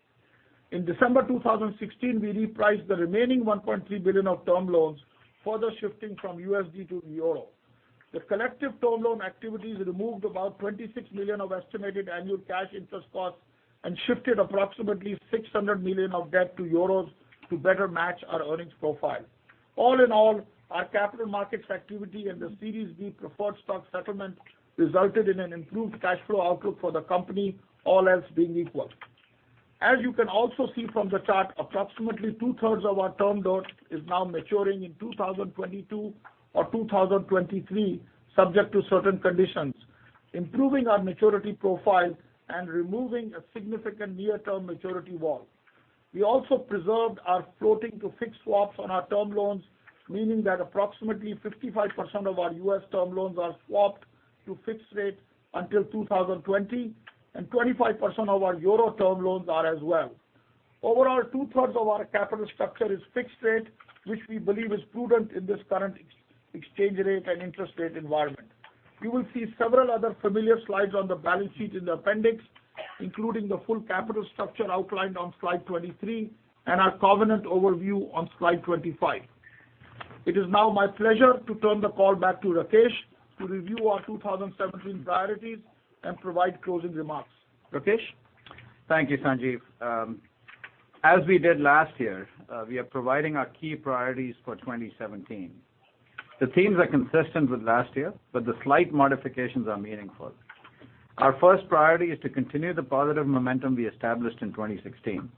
In December 2016, we repriced the remaining $1.3 billion of term loans, further shifting from USD to EUR. The collective term loan activities removed about $26 million of estimated annual cash interest costs and shifted approximately $600 million of debt to EUR to better match our earnings profile. All in all, our capital markets activity and the Series B preferred stock settlement resulted in an improved cash flow outlook for the company, all else being equal. As you can also see from the chart, approximately two-thirds of our term debt is now maturing in 2022 or 2023, subject to certain conditions, improving our maturity profile and removing a significant near-term maturity wall. We also preserved our floating to fixed swaps on our term loans, meaning that approximately 55% of our U.S. term loans are swapped to fixed rate until 2020, and 25% of our EUR term loans are as well. Overall, two-thirds of our capital structure is fixed rate, which we believe is prudent in this current exchange rate and interest rate environment. You will see several other familiar slides on the balance sheet in the appendix, including the full capital structure outlined on slide 23 and our covenant overview on slide 25. It is now my pleasure to turn the call back to Rakesh to review our 2017 priorities and provide closing remarks. Rakesh? Thank you, Sanjiv. As we did last year, we are providing our key priorities for 2017. The themes are consistent with last year, but the slight modifications are meaningful. Our first priority is to continue the positive momentum we established in 2016.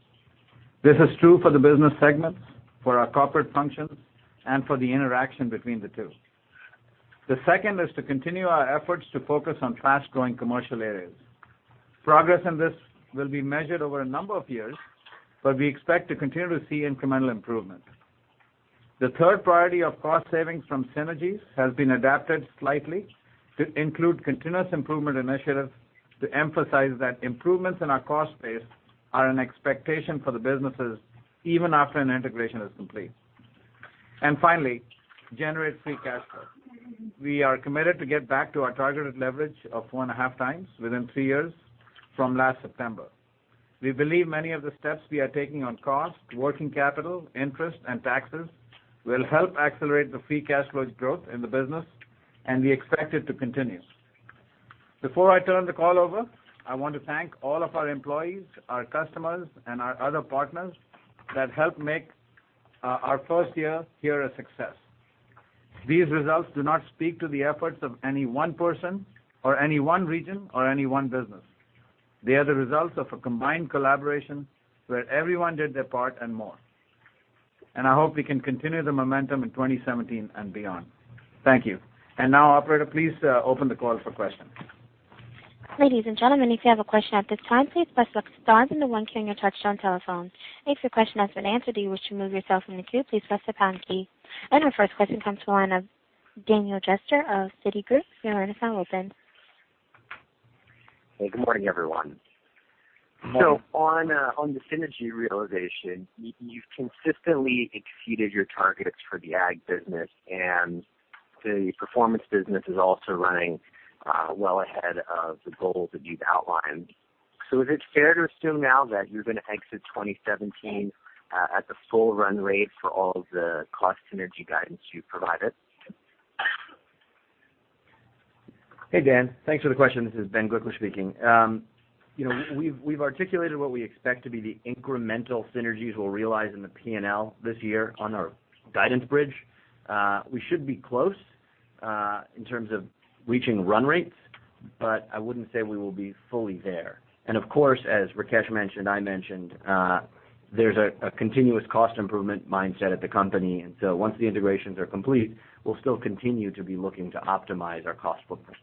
This is true for the business segments, for our corporate functions, and for the interaction between the two. The second is to continue our efforts to focus on fast-growing commercial areas. Progress in this will be measured over a number of years, but we expect to continue to see incremental improvement. The third priority of cost savings from synergies has been adapted slightly to include continuous improvement initiatives to emphasize that improvements in our cost base are an expectation for the businesses even after an integration is complete. Finally, generate free cash flow. We are committed to get back to our targeted leverage of 1.5 times within three years from last September. We believe many of the steps we are taking on cost, working capital, interest, and taxes will help accelerate the free cash flow's growth in the business, and we expect it to continue. Before I turn the call over, I want to thank all of our employees, our customers, and our other partners that helped make our first year here a success. These results do not speak to the efforts of any one person or any one region or any one business. They are the results of a combined collaboration where everyone did their part and more. I hope we can continue the momentum in 2017 and beyond. Thank you. Now, operator, please open the call for questions. Ladies and gentlemen, if you have a question at this time, please press star then the one key on your touchtone telephone. If your question has been answered, do you wish to remove yourself from the queue, please press the pound key. Our first question comes to the line of Daniel Jester of Citigroup. Your line is now open. Hey, good morning, everyone. Morning. On the synergy realization, you've consistently exceeded your targets for the Ag business, and the Performance business is also running well ahead of the goals that you've outlined. Is it fair to assume now that you're going to exit 2017 at the full run rate for all the cost synergy guidance you've provided? Hey, Dan. Thanks for the question. This is Ben Gliklich speaking. We've articulated what we expect to be the incremental synergies we'll realize in the P&L this year on our guidance bridge. We should be close, in terms of reaching run rates, but I wouldn't say we will be fully there. Of course, as Rakesh mentioned, I mentioned, there's a continuous cost improvement mindset at the company. Once the integrations are complete, we'll still continue to be looking to optimize our cost footprint.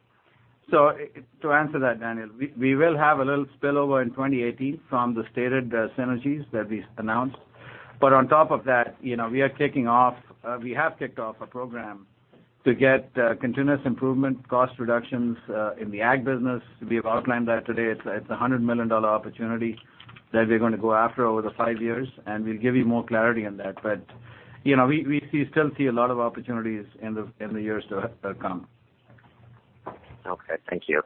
To answer that, Daniel, we will have a little spillover in 2018 from the stated synergies that we announced. On top of that, we have kicked off a program to get continuous improvement cost reductions in the ag business. We have outlined that today. It's a $100 million opportunity that we're going to go after over the five years, and we'll give you more clarity on that. We still see a lot of opportunities in the years to come. Okay. Thank you.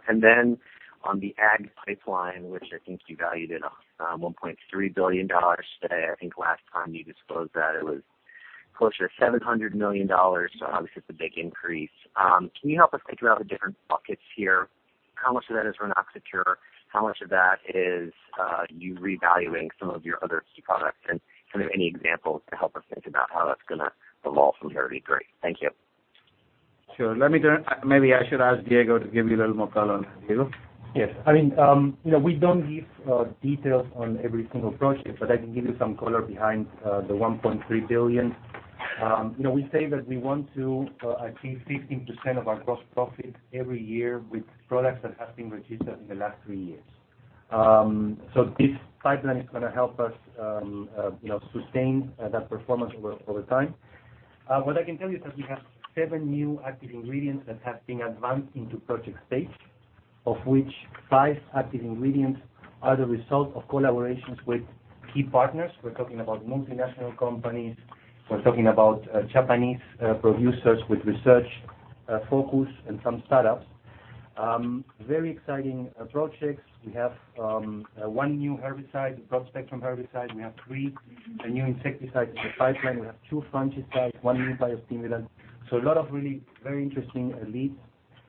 On the ag pipeline, which I think you valued at $1.3 billion today, I think last time you disclosed that it was closer to $700 million. Obviously, it's a big increase. Can you help us think through all the different buckets here? How much of that is Rynaxypyr? How much of that is you revaluing some of your other key products? Any examples to help us think about how that's going to evolve from here would be great. Thank you. Sure. Maybe I should ask Diego to give you a little more color on that. Diego? Yes. We don't give details on every single project, but I can give you some color behind the $1.3 billion. We say that we want to achieve 15% of our gross profit every year with products that have been registered in the last three years. This pipeline is going to help us sustain that performance over time. What I can tell you is that we have seven new active ingredients that have been advanced into project stage, of which five active ingredients are the result of collaborations with key partners. We're talking about multinational companies. We're talking about Japanese producers with research focus and some startups. Very exciting projects. We have one new herbicide, a broad-spectrum herbicide. We have three new insecticides in the pipeline. We have two fungicides, one new biostimulant. A lot of really very interesting leads,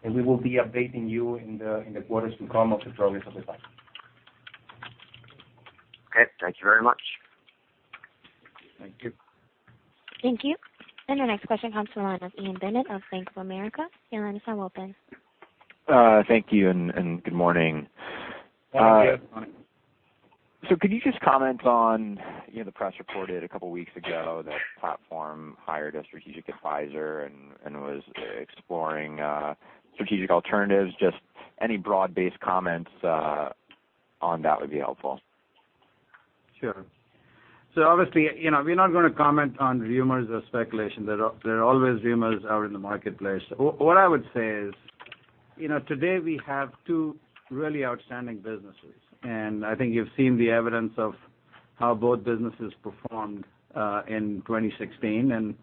and we will be updating you in the quarters to come of the progress of the pipeline. Okay. Thank you very much. Thank you. Thank you. Our next question comes to the line of Ian Bennett of Bank of America. Your line is now open. Thank you, good morning. Good morning. Could you just comment on, the press reported a couple of weeks ago that Platform hired a strategic advisor and was exploring strategic alternatives. Just any broad-based comments on that would be helpful. Sure. Obviously, we're not going to comment on rumors or speculation. There are always rumors out in the marketplace. What I would say is, today we have two really outstanding businesses. I think you've seen the evidence of how both businesses performed in 2016.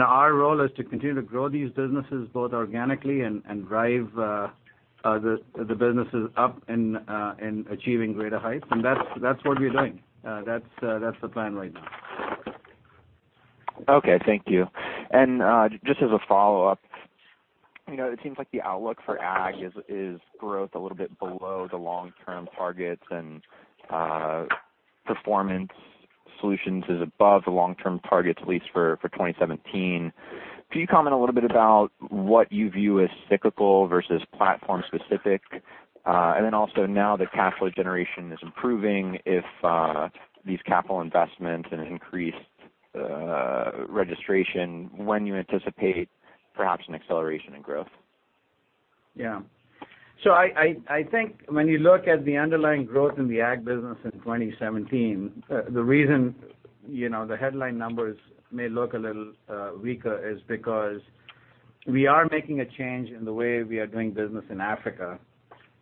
Our role is to continue to grow these businesses both organically and drive the businesses up in achieving greater heights. That's what we're doing. That's the plan right now. Okay, thank you. Just as a follow-up, it seems like the outlook for ag is growth a little bit below the long-term targets, Performance Solutions is above the long-term targets, at least for 2017. Could you comment a little bit about what you view as cyclical versus Platform specific? Also, now that cash flow generation is improving, if these capital investments and increased registration, when you anticipate perhaps an acceleration in growth? Yeah. I think when you look at the underlying growth in the ag business in 2017, the reason the headline numbers may look a little weaker is because we are making a change in the way we are doing business in Africa.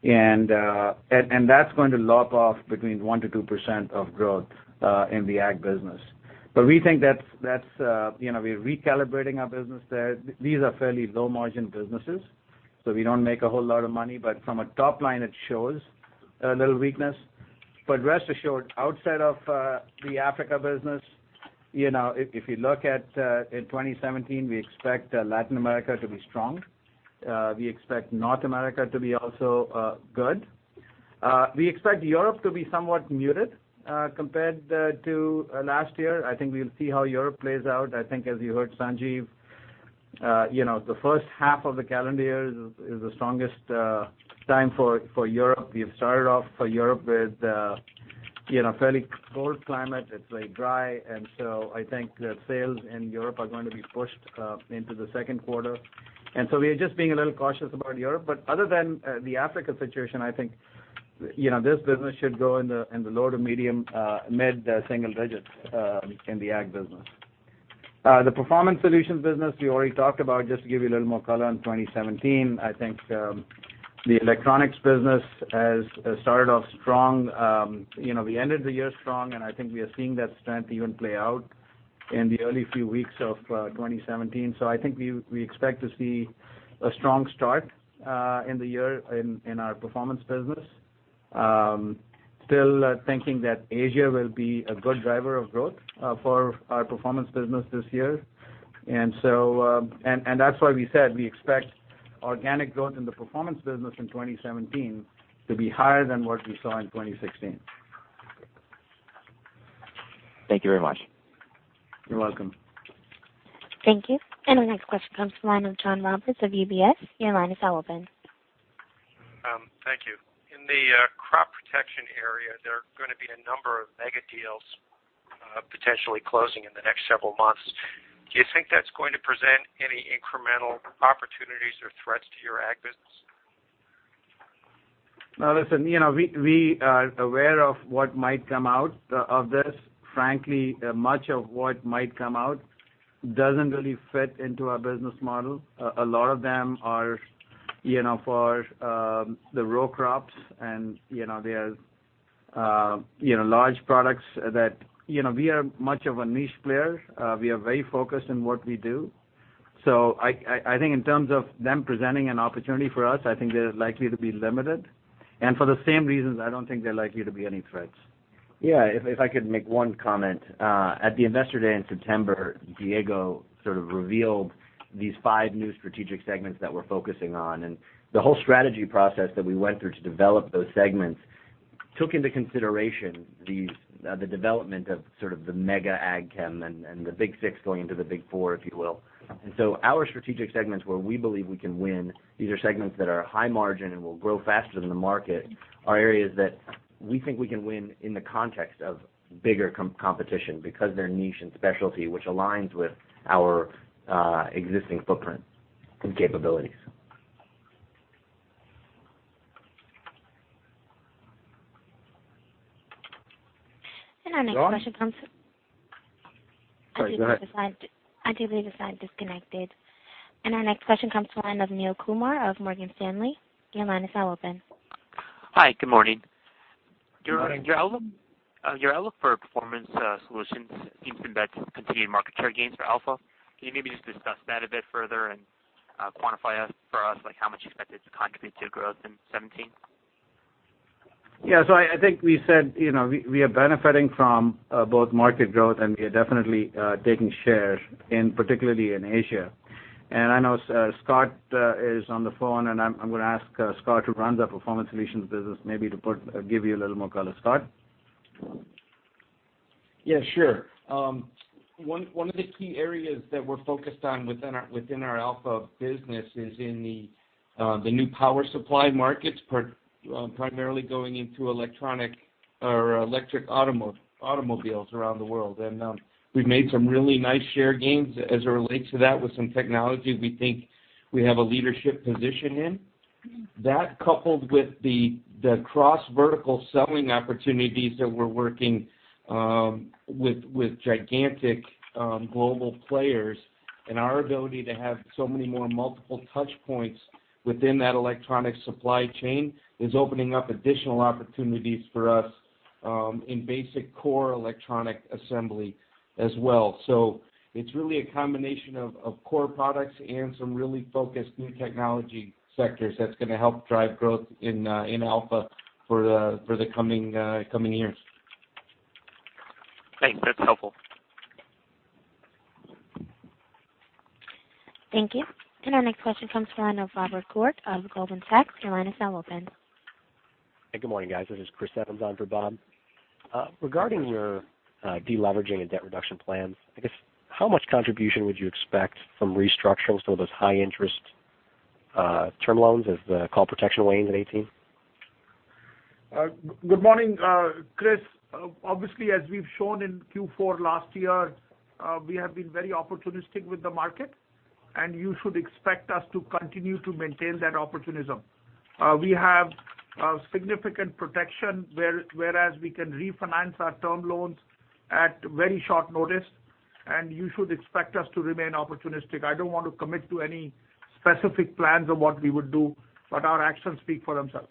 That's going to lop off between 1%-2% of growth in the ag business. We think that we're recalibrating our business there. These are fairly low-margin businesses, so we don't make a whole lot of money, but from a top line, it shows a little weakness. Rest assured, outside of the Africa business, if you look at in 2017, we expect Latin America to be strong. We expect North America to be also good. We expect Europe to be somewhat muted compared to last year. I think we'll see how Europe plays out. I think as you heard, Sanjiv, the first half of the calendar year is the strongest time for Europe. We have started off for Europe with fairly cold climate. It's very dry, I think that sales in Europe are going to be pushed into the second quarter. We are just being a little cautious about Europe, but other than the Africa situation, I think, this business should grow in the low to mid-single digits in the Ag business. The Performance Solutions business we already talked about. Just to give you a little more color on 2017, I think the electronics business has started off strong. We ended the year strong, and I think we are seeing that strength even play out in the early few weeks of 2017. I think we expect to see a strong start in the year in our Performance business. Still thinking that Asia will be a good driver of growth for our Performance business this year. That's why we said we expect organic growth in the Performance business in 2017 to be higher than what we saw in 2016. Thank you very much. You're welcome. Our next question comes from the line of John Roberts of UBS. Your line is now open. Thank you. In the crop protection area, there are going to be a number of mega deals potentially closing in the next several months. Do you think that's going to present any incremental opportunities or threats to your ag business? Listen. We are aware of what might come out of this. Frankly, much of what might come out doesn't really fit into our business model. A lot of them are for the raw crops, and they are large products that we are much of a niche player. We are very focused on what we do. I think in terms of them presenting an opportunity for us, I think they're likely to be limited. For the same reasons, I don't think they're likely to be any threats. If I could make one comment. At the Investor Day in September, Diego sort of revealed these five new strategic segments that we're focusing on, and the whole strategy process that we went through to develop those segments took into consideration the development of sort of the mega ag chem and the Big Six going into the Big Four, if you will. Our strategic segments where we believe we can win, these are segments that are high margin and will grow faster than the market, are areas that we think we can win in the context of bigger competition because they're niche and specialty, which aligns with our existing footprint and capabilities. Our next question comes- John? I do believe his line disconnected. Our next question comes to the line of Neel Kumar of Morgan Stanley. Your line is now open. Hi, good morning. Good morning. Your outlook for Performance Solutions seems to bet continued market share gains for Alpha. Can you maybe just discuss that a bit further and quantify for us, like how much you expect it to contribute to growth in 2017? Yeah, I think we said we are benefiting from both market growth, and we are definitely taking shares particularly in Asia. I know Scot is on the phone, and I'm going to ask Scot, who runs our Performance Solutions business, maybe to give you a little more color. Scot? Yeah, sure. One of the key areas that we're focused on within our Alpha business is in the new power supply markets, primarily going into electronic or electric automobiles around the world. We've made some really nice share gains as it relates to that with some technology we think we have a leadership position in. That coupled with the cross-vertical selling opportunities that we're working with gigantic global players, and our ability to have so many more multiple touch points within that electronic supply chain is opening up additional opportunities for us in basic core electronic assembly as well. It's really a combination of core products and some really focused new technology sectors that's going to help drive growth in Alpha for the coming years. Thanks. That's helpful. Thank you. Our next question comes to the line of Robert Koort of Goldman Sachs. Your line is now open. Hey, good morning, guys. This is Chris Evans on for Bob. Regarding your de-leveraging and debt reduction plans, I guess how much contribution would you expect from restructuring some of those high-interest term loans as the call protection wanes in 2018? Good morning, Chris. Obviously, as we've shown in Q4 last year, we have been very opportunistic with the market, and you should expect us to continue to maintain that opportunism. We have significant protection whereas we can refinance our term loans at very short notice, and you should expect us to remain opportunistic. I don't want to commit to any specific plans of what we would do, but our actions speak for themselves.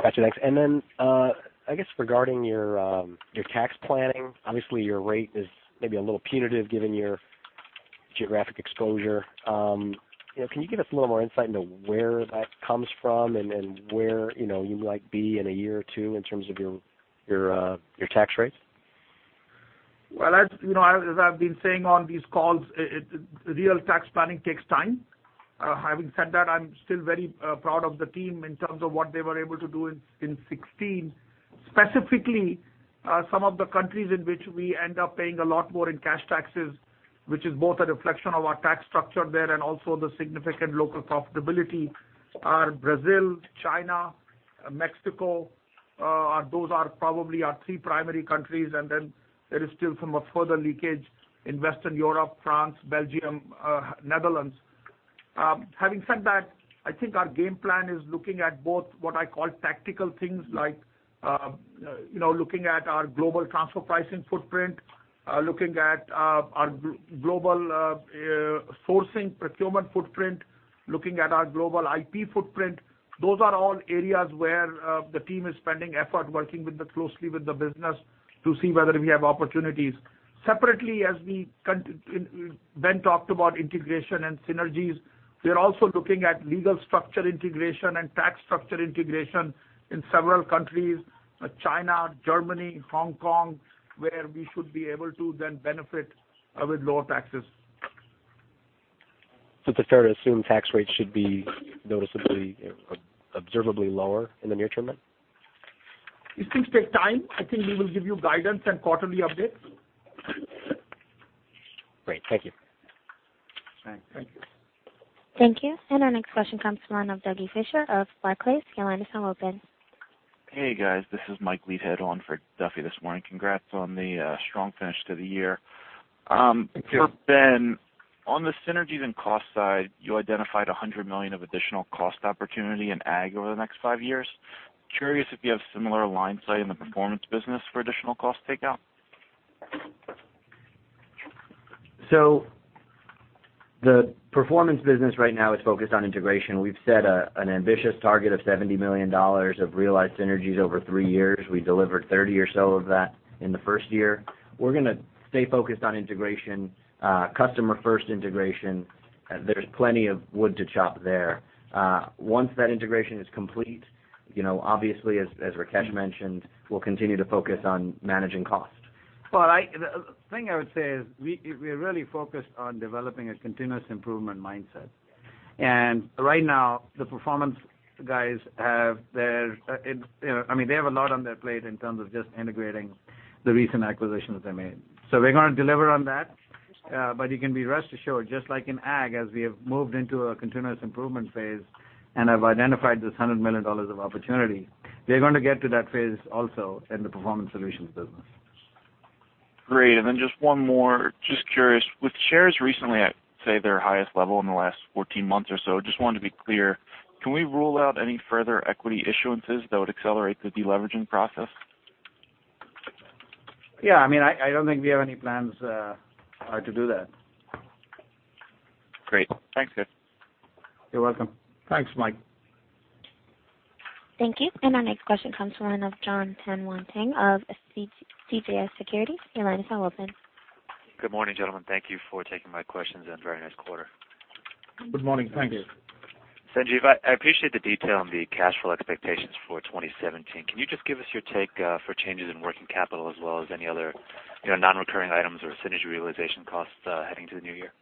Got you. Thanks. Then, I guess regarding your tax planning, obviously your rate is maybe a little punitive given your geographic exposure. Can you give us a little more insight into where that comes from and where you might be in a year or two in terms of your tax rates? Well, as you know, as I've been saying on these calls, real tax planning takes time. Having said that, I'm still very proud of the team in terms of what they were able to do in 2016. Specifically, some of the countries in which we end up paying a lot more in cash taxes, which is both a reflection of our tax structure there and also the significant local profitability, are Brazil, China, Mexico. Those are probably our three primary countries, and then there is still some further leakage in Western Europe, France, Belgium, Netherlands. Having said that, I think our game plan is looking at both what I call tactical things like looking at our global transfer pricing footprint, looking at our global sourcing procurement footprint, looking at our global IP footprint. Those are all areas where the team is spending effort working closely with the business to see whether we have opportunities. Separately, as Ben talked about integration and synergies, we are also looking at legal structure integration and tax structure integration in several countries, China, Germany, Hong Kong, where we should be able to then benefit with lower taxes. It's fair to assume tax rates should be noticeably, observably lower in the near term then? These things take time. I think we will give you guidance and quarterly updates. Great. Thank you. Thanks. Thank you. Our next question comes from the line of Duffy Fischer of Barclays. Your line is now open. Hey, guys. This is Mike Leithead on for Duffy this morning. Congrats on the strong finish to the year. Thank you. For Ben, on the synergies and cost side, you identified $100 million of additional cost opportunity in ag over the next five years. Curious if you have similar line of sight in the performance business for additional cost takeout. The performance business right now is focused on integration. We've set an ambitious target of $70 million of realized synergies over three years. We delivered 30 or so of that in the first year. We're going to stay focused on integration, customer-first integration. There's plenty of wood to chop there. Once that integration is complete, obviously, as Rakesh mentioned, we'll continue to focus on managing cost. The thing I would say is we are really focused on developing a continuous improvement mindset. Right now, the performance guys, they have a lot on their plate in terms of just integrating the recent acquisitions they made. We're going to deliver on that. You can rest assured, just like in ag, as we have moved into a continuous improvement phase and have identified this $100 million of opportunity, we're going to get to that phase also in the Performance Solutions business. Great, just one more. Just curious, with shares recently at, say, their highest level in the last 14 months or so, just wanted to be clear, can we rule out any further equity issuances that would accelerate the deleveraging process? Yeah. I don't think we have any plans to do that. Great. Thanks, guys. You're welcome. Thanks, Mike. Thank you. Our next question comes from the line of John Tanwanteng of CJS Securities. Your line is now open. Good morning, gentlemen. Thank you for taking my questions, and very nice quarter. Good morning. Thank you. Thank you. Sanjiv, I appreciate the detail on the cash flow expectations for 2017. Can you just give us your take for changes in working capital as well as any other non-recurring items or synergy realization costs heading to the new year?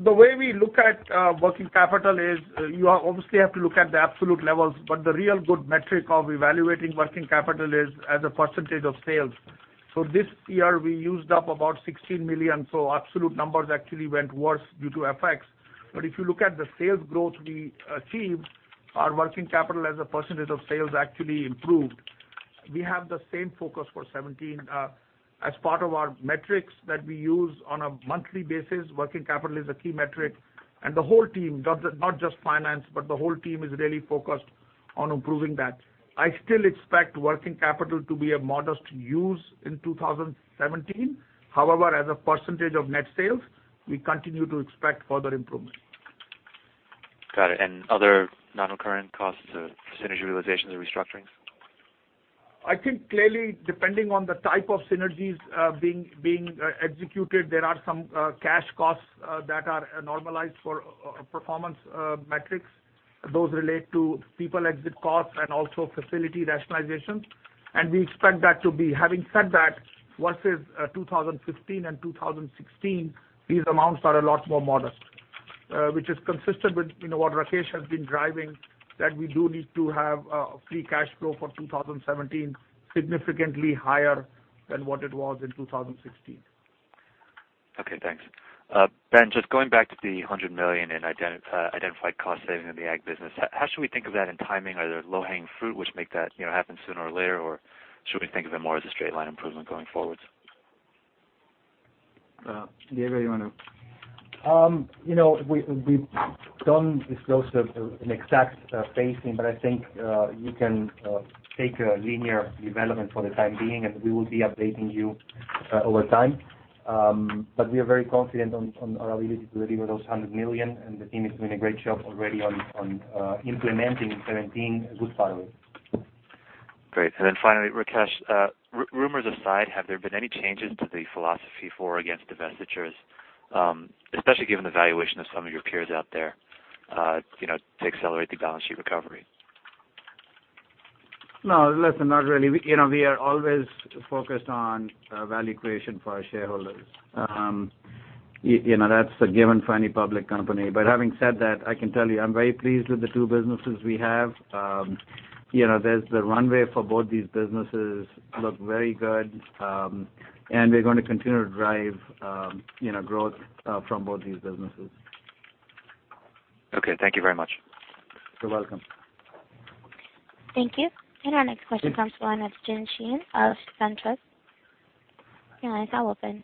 The way we look at working capital is you obviously have to look at the absolute levels, but the real good metric of evaluating working capital is as a percentage of sales. This year, we used up about $16 million, so absolute numbers actually went worse due to FX. If you look at the sales growth we achieved, our working capital as a percentage of sales actually improved. We have the same focus for 2017. As part of our metrics that we use on a monthly basis, working capital is a key metric, and the whole team, not just finance, but the whole team is really focused on improving that. I still expect working capital to be a modest use in 2017. However, as a percentage of net sales, we continue to expect further improvement. Got it. Other non-recurring costs of synergy realizations or restructurings? I think clearly, depending on the type of synergies being executed, there are some cash costs that are normalized for performance metrics. Those relate to people exit costs and also facility rationalizations, and we expect that to be. Having said that, versus 2015 and 2016, these amounts are a lot more modest, which is consistent with what Rakesh has been driving, that we do need to have free cash flow for 2017 significantly higher than what it was in 2016. Okay, thanks. Ben, just going back to the $100 million in identified cost saving in the ag business, how should we think of that in timing? Are there low-hanging fruit which make that happen sooner or later? Or should we think of it more as a straight line improvement going forward? Diego, you want to? We don't disclose an exact phasing, but I think you can take a linear development for the time being, and we will be updating you over time. We are very confident on our ability to deliver those $100 million, and the team is doing a great job already on implementing and maintaining good progress. Great. Then finally, Rakesh, rumors aside, have there been any changes to the philosophy for or against divestitures, especially given the valuation of some of your peers out there, to accelerate the balance sheet recovery? No. Listen, not really. We are always focused on value creation for our shareholders. That's a given for any public company. Having said that, I can tell you, I'm very pleased with the two businesses we have. The runway for both these businesses look very good, we're going to continue to drive growth from both these businesses. Okay. Thank you very much. You're welcome. Thank you. Our next question comes from the line of James Sheehan of SunTrust. Your line is now open.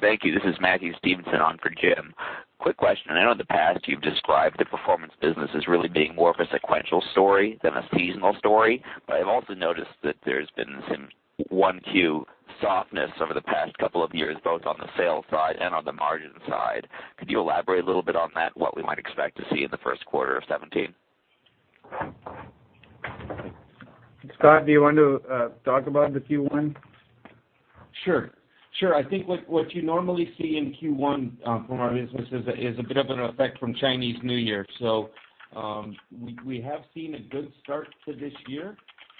Thank you. This is Matthew Stevenson on for Jim. Quick question. I know in the past you've described the performance business as really being more of a sequential story than a seasonal story. I've also noticed that there's been some 1Q softness over the past couple of years, both on the sales side and on the margin side. Could you elaborate a little bit on that, what we might expect to see in the first quarter of 2017? Scot, do you want to talk about the Q1? Sure. I think what you normally see in Q1 from our businesses is a bit of an effect from Chinese New Year. We have seen a good start to this year.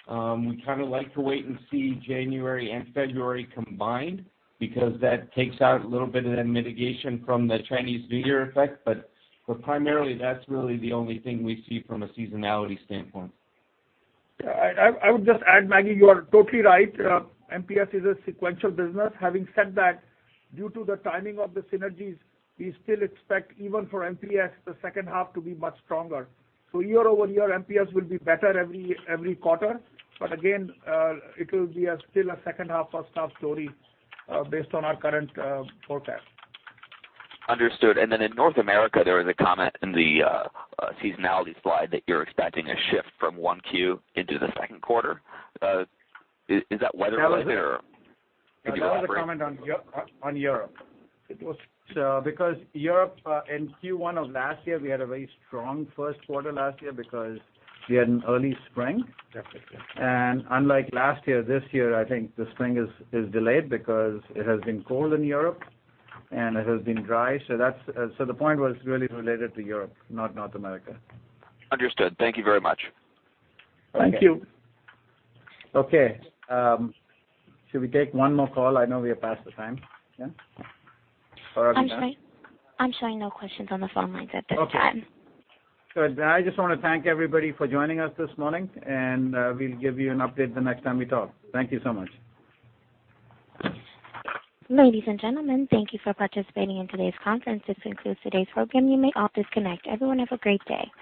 We kind of like to wait and see January and February combined, because that takes out a little bit of that mitigation from the Chinese New Year effect. Primarily, that's really the only thing we see from a seasonality standpoint. I would just add, Matthew, you are totally right. MPS is a sequential business. Having said that, due to the timing of the synergies, we still expect, even for MPS, the second half to be much stronger. Year-over-year, MPS will be better every quarter. Again, it will be still a second half, first half story, based on our current forecast. Understood. In North America, there was a comment in the seasonality slide that you're expecting a shift from 1Q into the second quarter. Is that weather related? That was a comment on Europe. Europe, in Q1 of last year, we had a very strong first quarter last year because we had an early spring. That's it, yeah. Unlike last year, this year, I think the spring is delayed because it has been cold in Europe and it has been dry. The point was really related to Europe, not North America. Understood. Thank you very much. Thank you. Okay. Should we take one more call? I know we are past the time. Yeah? Or are we done? I'm showing no questions on the phone lines at this time. Okay. Good. I just want to thank everybody for joining us this morning. We'll give you an update the next time we talk. Thank you so much. Ladies and gentlemen, thank you for participating in today's conference. This concludes today's program. You may all disconnect. Everyone have a great day.